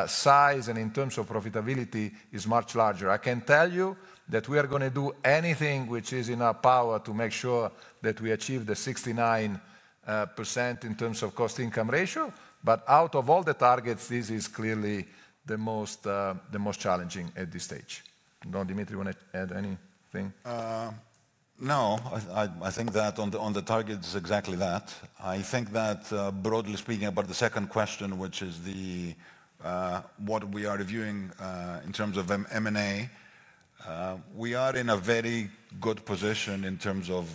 size and in terms of profitability is much larger. I can tell you that we are going to do anything which is in our power to make sure that we achieve the 69% in terms of cost-to-income ratio. Out of all the targets, this is clearly the most challenging at this stage. Dimitris, you want to add anything? No, I think that on the targets, exactly that. I think that broadly speaking, about the second question, which is what we are reviewing in terms of M&A, we are in a very good position in terms of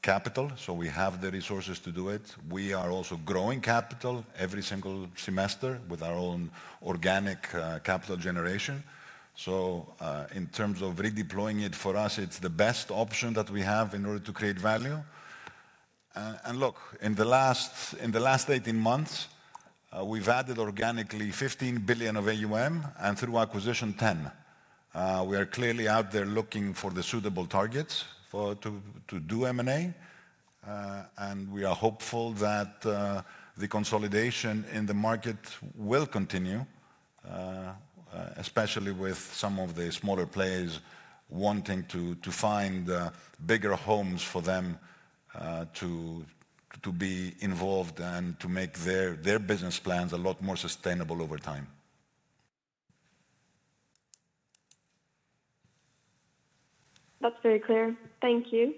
capital, so we have the resources to do it. We are also growing capital every single semester with our own organic capital generation. In terms of redeploying it, for us, it's the best option that we have in order to create value. In the last 18 months we've added organically 15 billion of AUM and through acquisition 10 billion. We are clearly out there looking for the suitable targets to do M&A. We are hopeful that the consolidation in the market will continue, especially with some of the smaller players wanting to find bigger homes for them to be involved and to make their business plans a lot more sustainable over time. That's very clear. Thank you.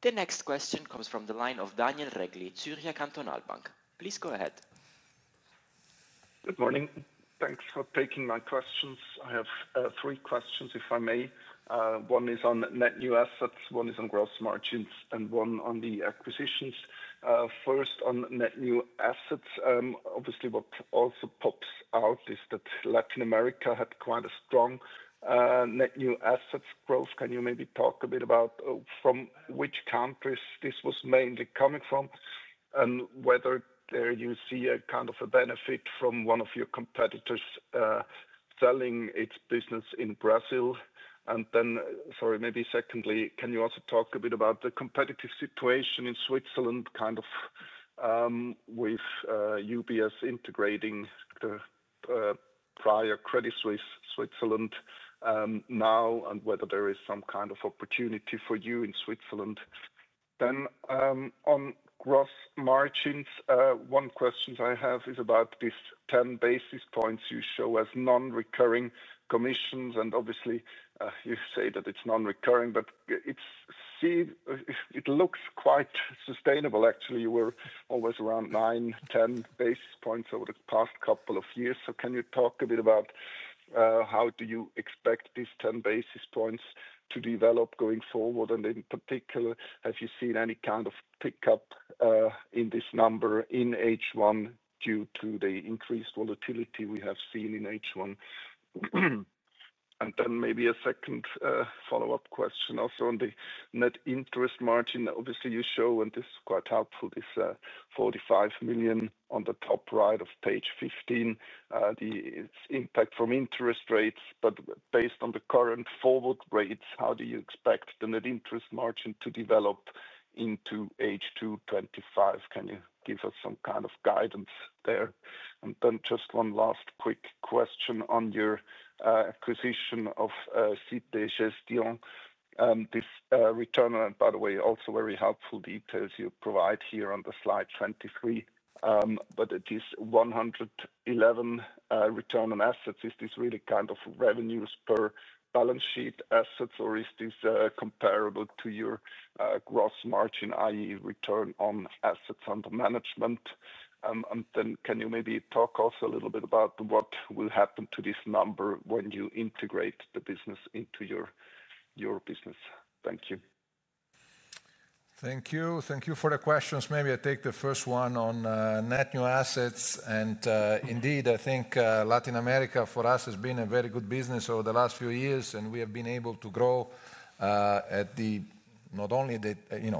The next question comes from the line of Daniel Regli, Zürcher Kantonalbank. Please go ahead. Good morning. Thanks for taking my questions. I have three questions if I may. One is on net new assets, one is on gross margins, and one on the acquisitions. First on net new assets. Obviously what also pops out is that Latin America had quite a strong net new assets growth. Can you maybe talk a bit about from which countries this was mainly coming from and whether there you see a kind of a benefit from one of your competitors selling its business in Brazil? Maybe secondly, can you also talk a bit about the competitive situation in Switzerland with UBS integrating the prior Credit Suisse Switzerland now and whether there is some kind of opportunity for you in Switzerland? Then on gross margins, one question I have is about this 10 basis points you show as non-recurring commissions. Obviously you say that it's non-recurring, but it looks quite sustainable. Actually you were always around 9, 10 basis points over the past couple of years. Can you talk a bit about how you expect these 10 basis points to develop going forward? In particular, have you seen any kind of pick up in this number in H1 due to the increased volatility we have seen in H1? Maybe a second follow-up question also on the net interest margin. Obviously you show, and this is quite helpful, this 45 million on the top right of page 15, the impact from interest rates. Based on the current forward rates, how do you expect the net interest margin to develop into H2 2025? Can you give us some kind of guidance there? Just one last quick question on your acquisition of Cité Gestion. This return, by the way, also very helpful details you provide here on slide 23, but it is 1.11% return on assets. Is this really kind of revenues per balance sheet assets or is this comparable to your gross margin, i.e., return on assets under management? Can you maybe talk also a little bit about what will happen to this number when you integrate the business into your business. Thank you, thank you, thank you for the questions. Maybe I take the first one on net new assets, and indeed I think Latin America for us has been a very good business over the last few years. We have been able to grow at not only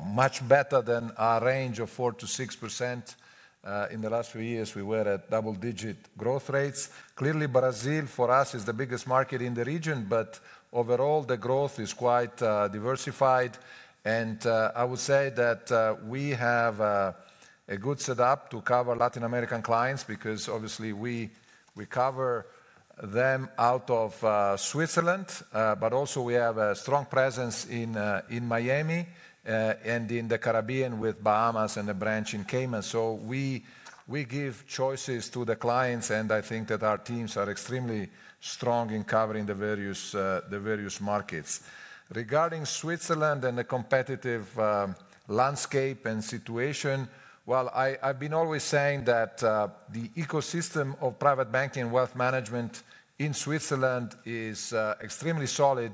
much better than our range of 4 to 6% in the last few years, we were. At double-digit growth rates. Clearly, Brazil for us is the biggest market in the region, but overall the. Growth is quite diversified and I would say that we have a good setup to cover Latin American clients because obviously we cover them out of Switzerland, but also we have a strong presence in Miami and in the Caribbean with Bahamas and a branch in Cayman, so we give choices to the clients. I think that our teams are extremely strong in covering the various markets. Regarding Switzerland and the competitive landscape and situation, I've been always saying that the ecosystem of private banking wealth management in Switzerland is extremely solid,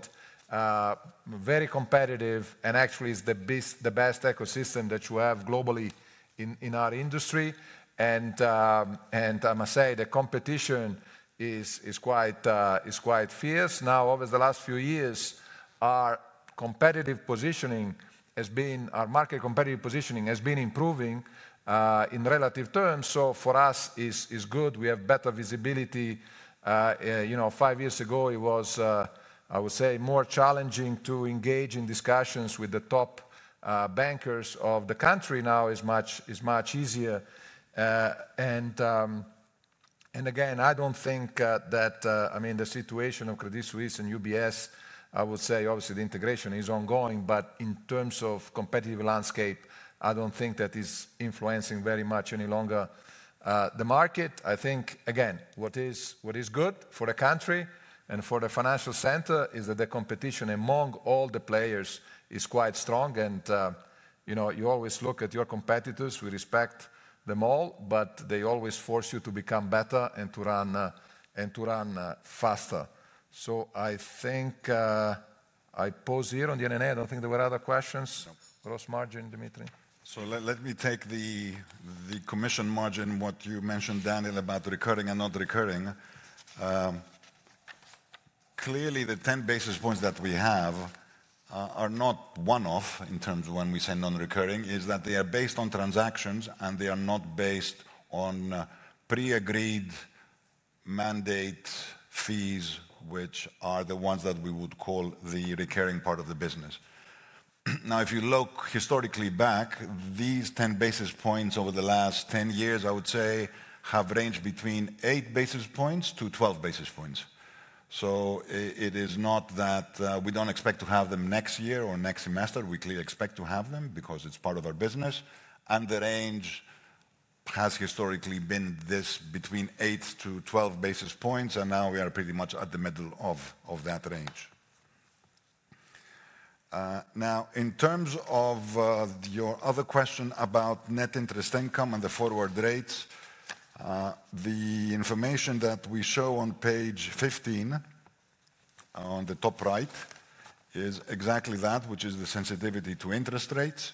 very competitive, and actually is the best ecosystem that you have globally in our industry. I must say the competition is quite fierce now. Over the last few years our competitive positioning has been, our market competitive positioning has been improving in relative terms. For us, it is good, we have better visibility. You know, five years ago it was, I would say, more challenging to engage in discussions with the top bankers of the country. Now it is much easier. I don't think that, I mean, the situation of Credit Suisse and UBS, I would say obviously the integration is ongoing, but in terms of competitive landscape, I don't think that is influencing very much any longer the market. I think what is good for the country and for the financial center is that the competition among all the players is quite strong. You always look at your competitors, we respect them all, but they always force you to become better and to run and to run faster. I think I paused here on the NNA. I don't think there were other questions. Gross margin Dimitris so let me take the commission margin. What you mentioned, Daniel, about recurring and not recurring, clearly the 10 basis points that we have are not one-off in terms of when we say non-recurring is that they are based on transactions and they are not based on pre-agreed mandate fees, which are the ones that we would call the recurring part of the business. Now, if you look historically back, these 10 basis points over the last 10 years, I would say, have ranged between 8 basis points-12 basis points. It is not that we don't expect to have them next year or next semester. We clearly expect to have them because it's part of our business, and the range has historically been this, between 8 basis points-12 basis points. Now we are pretty much at the middle of that range. In terms of your other question about net interest income and the forward rates, the information that we show on page 15 on the top right is exactly that, which is the sensitivity to interest rates.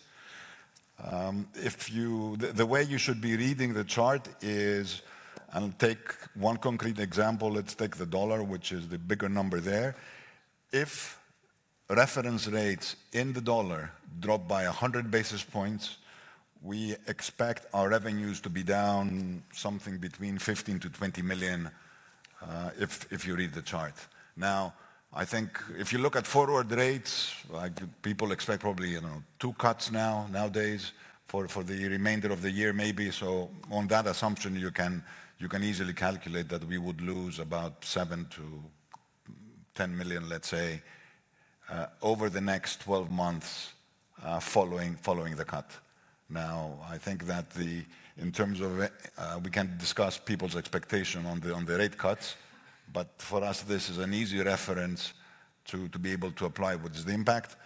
The way you should be reading the chart is, and take one concrete example, let's take the dollar, which is the bigger number there. If reference rates in the dollar drop by 100 basis points, we expect our revenues to be down something between 15 million-20 million. If you read the chart now, I think if you look at forward rates, people expect probably two cuts nowadays for the remainder of the year, maybe. On that assumption, you can easily calculate that we would lose about 7 million-10 million, let's say, over the next 12 months following the cut. I think that in terms of we can't discuss people's expectation on the rate cuts, but for us this is an easy reference to be able to apply. What is the impact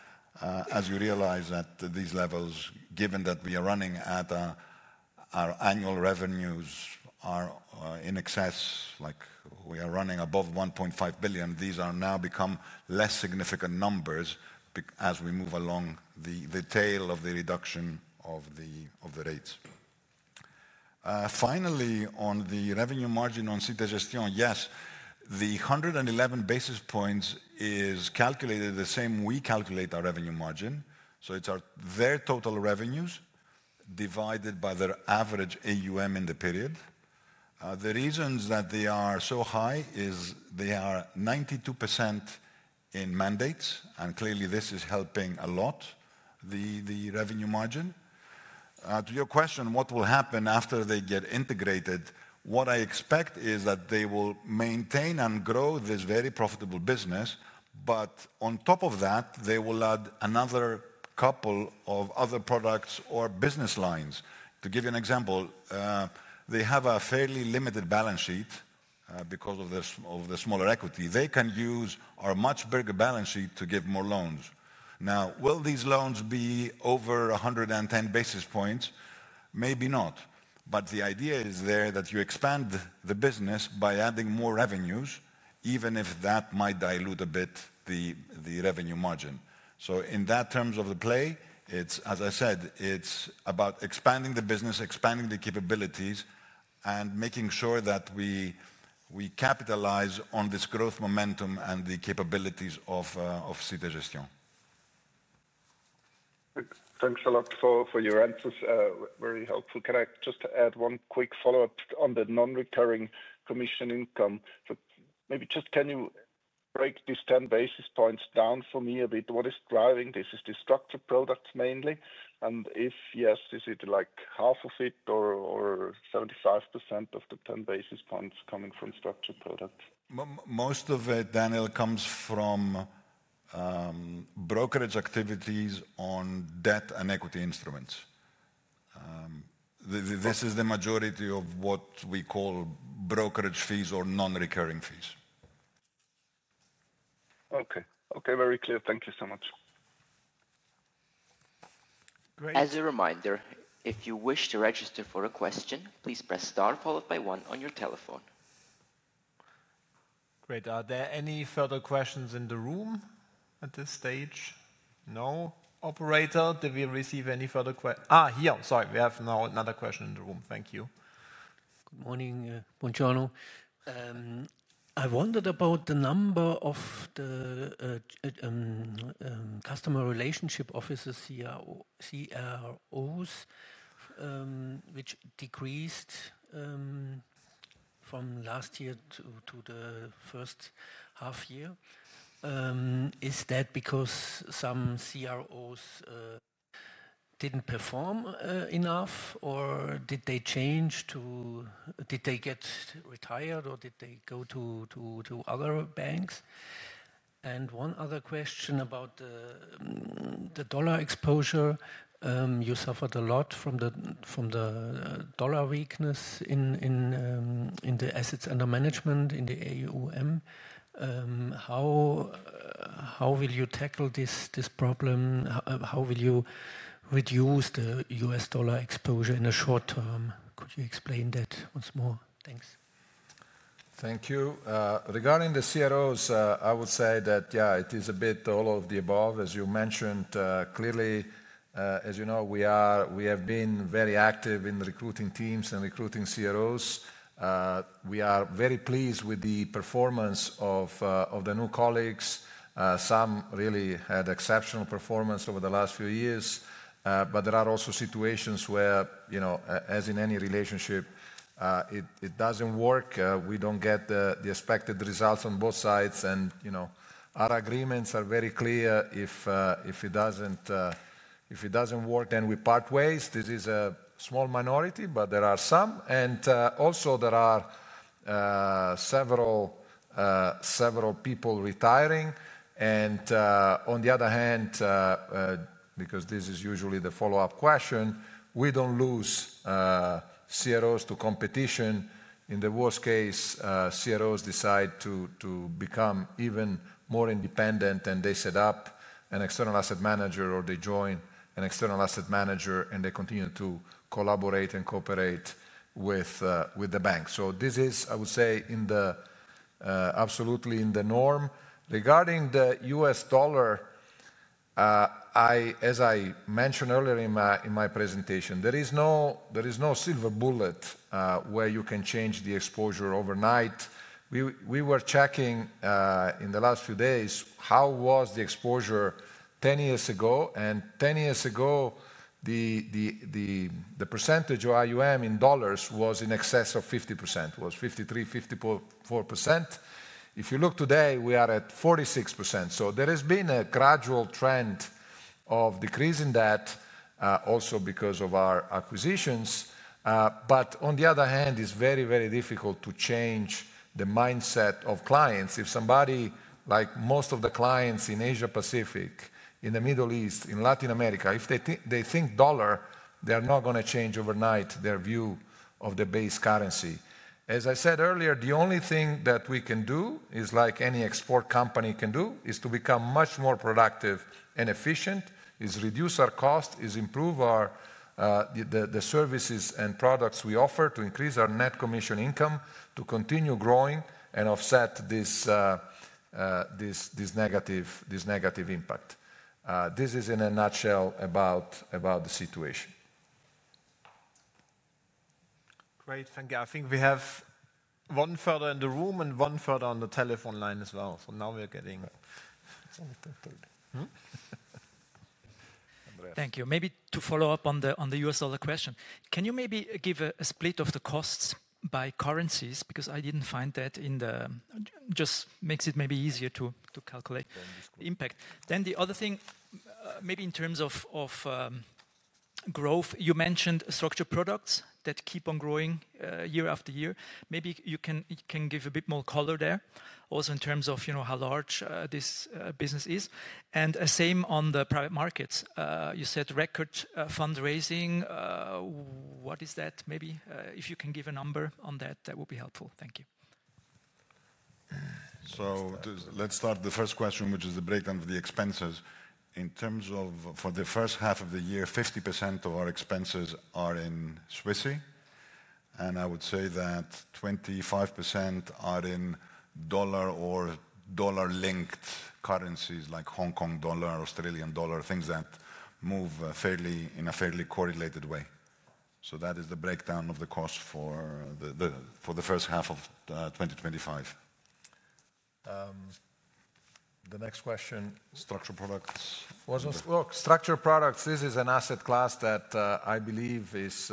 as you realize that these levels, given that we are running at our annual revenues are in excess, like we are running above 1.5 billion. These now become less significant numbers as we move along the tail of the reduction of the rates. Finally, on the revenue margin on Cité Gestion, yes. The 111 basis points is calculated the same. We calculate our revenue margin, so it's their total revenues divided by their average AUM in the period. The reasons that they are so high is they are 92% in mandates, and clearly this is helping a lot, the revenue margin. To your question, what will happen after they get integrated? What I expect is that they will maintain and grow this very profitable business. On top of that, they will add another couple of other products or business lines. To give you an example, they have a fairly limited balance sheet. Because of the smaller equity, they can use our much bigger balance sheet to give more loans. Now, will these loans be over 110 basis points? Maybe not. The idea is there that you expand the business by adding more revenues, even if that might dilute a bit the revenue margin. In terms of the play, as I said, it's about expanding the business, expanding the capabilities, and making sure that we capitalize on this growth momentum and the capabilities of Cité Gestion. Thanks a lot for your answers, very helpful. Can I just add one quick follow-up on the non-recurring commission income? Maybe just can you break these 10 basis points down for me a bit? What is driving this is the structured products mainly. If yes, is it like half of it or 75% of the 10 basis points coming from structured products? Most of it, Daniel, comes from brokerage activities on debt and equity instruments. This is the majority of what we call brokerage fees or non-recurring fees. Okay. Okay, very clear. Thank you so much. As a reminder, if you wish to register for a question, please press star followed by one on your telephone. Great. Are there any further questions in the room at this stage? No. Operator, did we receive any further questions? Here. Sorry, we have now another question in the room. Thank you. Good morning. [Buongiorno]. I wondered about the number of the Client Relationship Officers, CROs, which decreased from last year to the first half year. Is that because some CROs didn't perform enough, or did they get retired, or did they go to other banks? One other question about the dollar exposure. You suffered a lot from the dollar weakness in the assets under management, in the AUM. How will you tackle this problem? How will you reduce the U.S. dollar exposure in the short term? Could you explain that once more? Thanks. Thank you. Regarding the CROs, I would say that yeah, it is a bit all of the above as you mentioned. Clearly, as you know, we have been very active in recruiting teams and recruiting CROs. We are very pleased with the performance of the new colleagues. Some really had exceptional performance over the last few years. There are also situations where, as in any relationship, it doesn't work. We don't get the expected results on both sides. Our agreements are very clear. If it doesn't work, then we part ways. This is a small minority, but there are some. There are several people retiring. On the other hand, because this is usually the follow-up question, we don't lose CROs to competition. In the worst case, CROs decide to become even more independent and they set up an external asset manager or they join an external asset manager and they continue to collaborate and cooperate with the bank. This is, I would say, absolutely in the norm. Regarding the US dollar, as I mentioned earlier in my presentation, there is no silver bullet where you can change the exposure overnight. We were checking in the last few days, how was the exposure 10 years ago? 10 years ago, the percentage of AUM in dollars was in excess of 50%, was 53%, 54%. If you look today, we are at 46%. There has been a gradual trend of decreasing that also because of our acquisitions. On the other hand, it's very, very difficult to change the mindset of clients. If somebody, like most of the clients in Asia Pacific, in the Middle East, in Latin America, if they think CHF, they are not going to change overnight their view of the base currency. As I said earlier, the only thing. What we can do, like any export company can do, is to become much more productive and efficient, reduce our cost, and improve the services and products we offer to increase our net commission income to continue growing. Offset. This negative impact. This is, in a nutshell, about the situation. Great, thank you. I think we have one further in the room and one further on the telephone line as well. Now we are getting. Thank you. Maybe to follow up on the U.S. Dollar question, can you maybe give a split of the costs by currencies? Because I didn't find that in the. Just makes it maybe easier to calculate impact. The other thing maybe in terms of growth, you mentioned structured products that keep on growing year after year. Maybe you can give a bit more color there also in terms of how large this business is. Same on the private markets, you said record fundraising. What is that? Maybe if you can give a number on that, that would be helpful. Thank you. Let's start the first question, which is the breakdown of the expenses in terms of for the first half of the year. 50% of our expenses are in Swiss, and I would say that 25% are in dollar or dollar-linked currencies like Hong Kong dollar, Australian dollar, things that move in a fairly correlated way. That is the breakdown of the cost for the first half of 2025. The next question. Structured products look structured products. This is an asset class that I believe is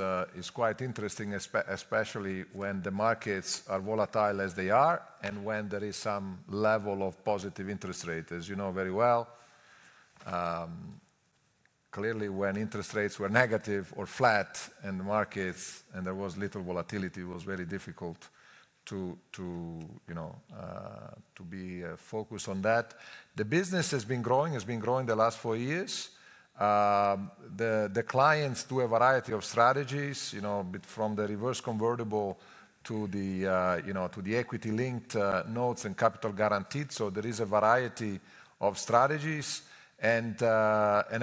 quite interesting, especially when the markets are volatile as they are and when there is some level of positive interest rate. As you know very well, clearly when interest rates were negative or flat and markets and there was little volatility, it was very difficult to, you know, to be focused on that. The business has been growing. Growing the last four years. The clients do a variety of strategies, you know, from the reverse convertible to the equity linked notes and capital guaranteed. There is a variety of strategies, and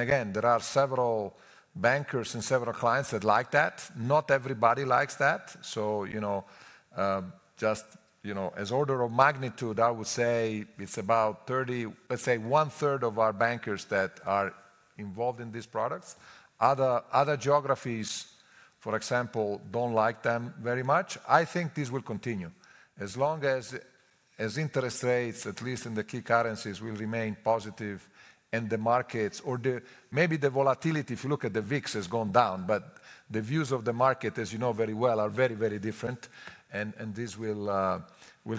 again there are several bankers and several clients that like that. Not everybody likes that. Just as order of magnitude, I would say it's about 30, let's say one third of our bankers that are involved in these products. Other geographies, for example, don't like them very much. I think this will continue as long as interest rates, at least in the key currencies, will remain positive. Markets or maybe the volatility, if you. Look at the VIX has gone down, but the views of the market as. You know very well, are very, very different. This will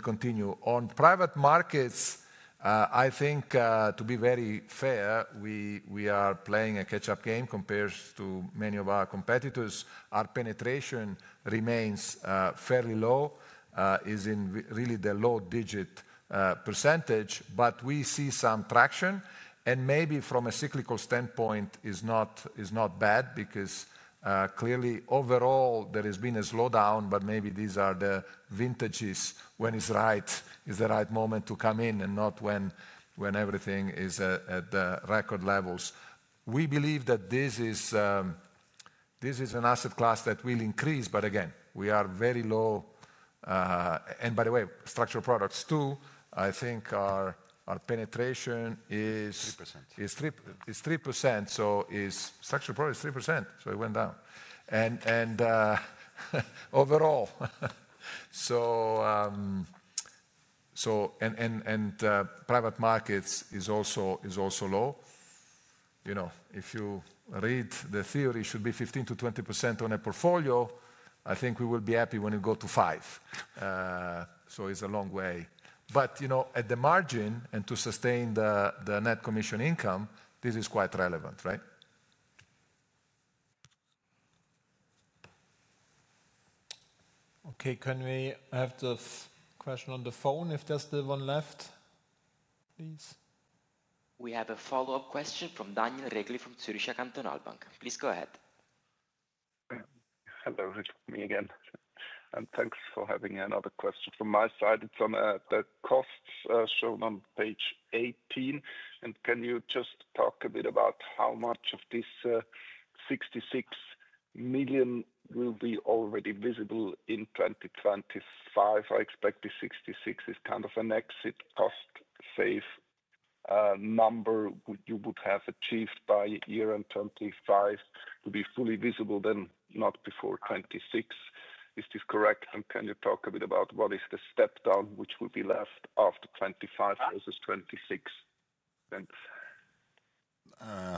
continue on private markets. I think to be very fair, we are playing a catch up game. Compared to many of our competitors, our penetration remains fairly low, is in really the low digit percentage. We see some traction and maybe from a cyclical standpoint it is not bad because clearly overall there has been a slowdown. Maybe these are the vintages when it's right, it's the right moment to come in and not when everything is at record levels. We believe that this is an asset class that will increase. Again, we are very low. By the way, structured products too, I think our penetration is 3%. It is 3%. So, structured products 3%. It went down. Overall, private markets is also low. You know, if you read the theory, it should be 15%-20% on a portfolio. I think we will be happy when you go to 5%. It is a long way, but at the margin and to sustain the net commission income, this is quite relevant. Right? Okay. Can we have the question on the phone if there's still one left, please? We have a follow-up question from Daniel Regli from Zurich. Please go ahead. Hello, me again and thanks for having another question from my side. It's on the costs shown on page 18. Can you just talk a bit about how much of this 66 million will be already visible in 2025? I expect 66 million is kind of an exit cost save number. You would have achieved by year end 2025 to be fully visible then, not before 2026. Is this correct? Can you talk a bit about what is the step down which will be left after 2025 versus 2026?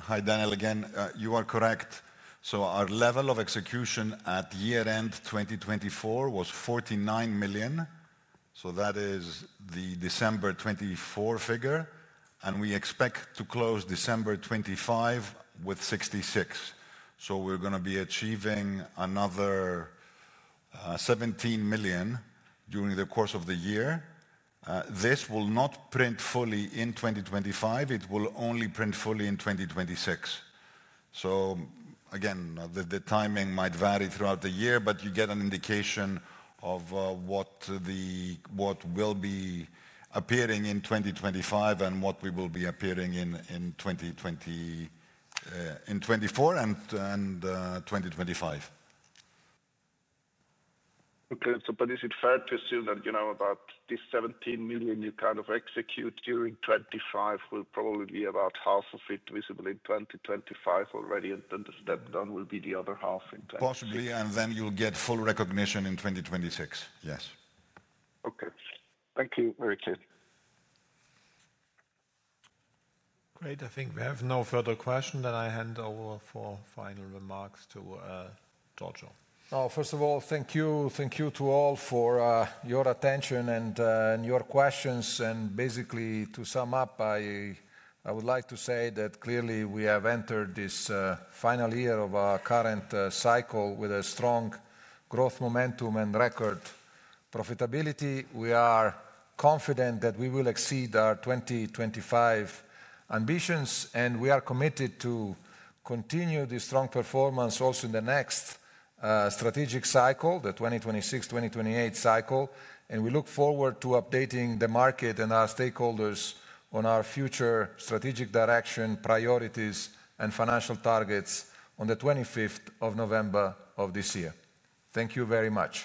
Hi, Daniel, again you are correct. Our level of execution at year end 2020 was 49 million. That is the December 2024 figure, and we expect to close December 2025 with 66 million. We're going to be achieving another 17 million during the course of the year. This will not print fully in 2025. It will only print fully in 2026. The timing might vary throughout the year, but you get an indication of what will be appearing in 2025 and what will be appearing in 2024 and 2025. Okay, is it fair to assume that you know about this 17 million you kind of execute during 2025 will probably be about half of it visible in 2025 already, and then the step down will be the other half possibly. You will get full recognition in 2026. Yes. Okay, thank you. Very clear. Great. I think we have no further questions. I hand over for final remarks to Giorgio. First of all, thank you. Thank you to all for your attention and your questions. To sum up, I would like to say that clearly we have entered this final year of our current cycle with strong growth, momentum, and record profitability. We are confident that we will exceed our 2025 ambitions, and we are committed to continue this strong performance also in the next strategic cycle, the 2026-2028 cycle. We look forward to updating the group. Market and our stakeholders on our future strategic direction, priorities, and financial targets on the 25th of November of this year. Thank you very much.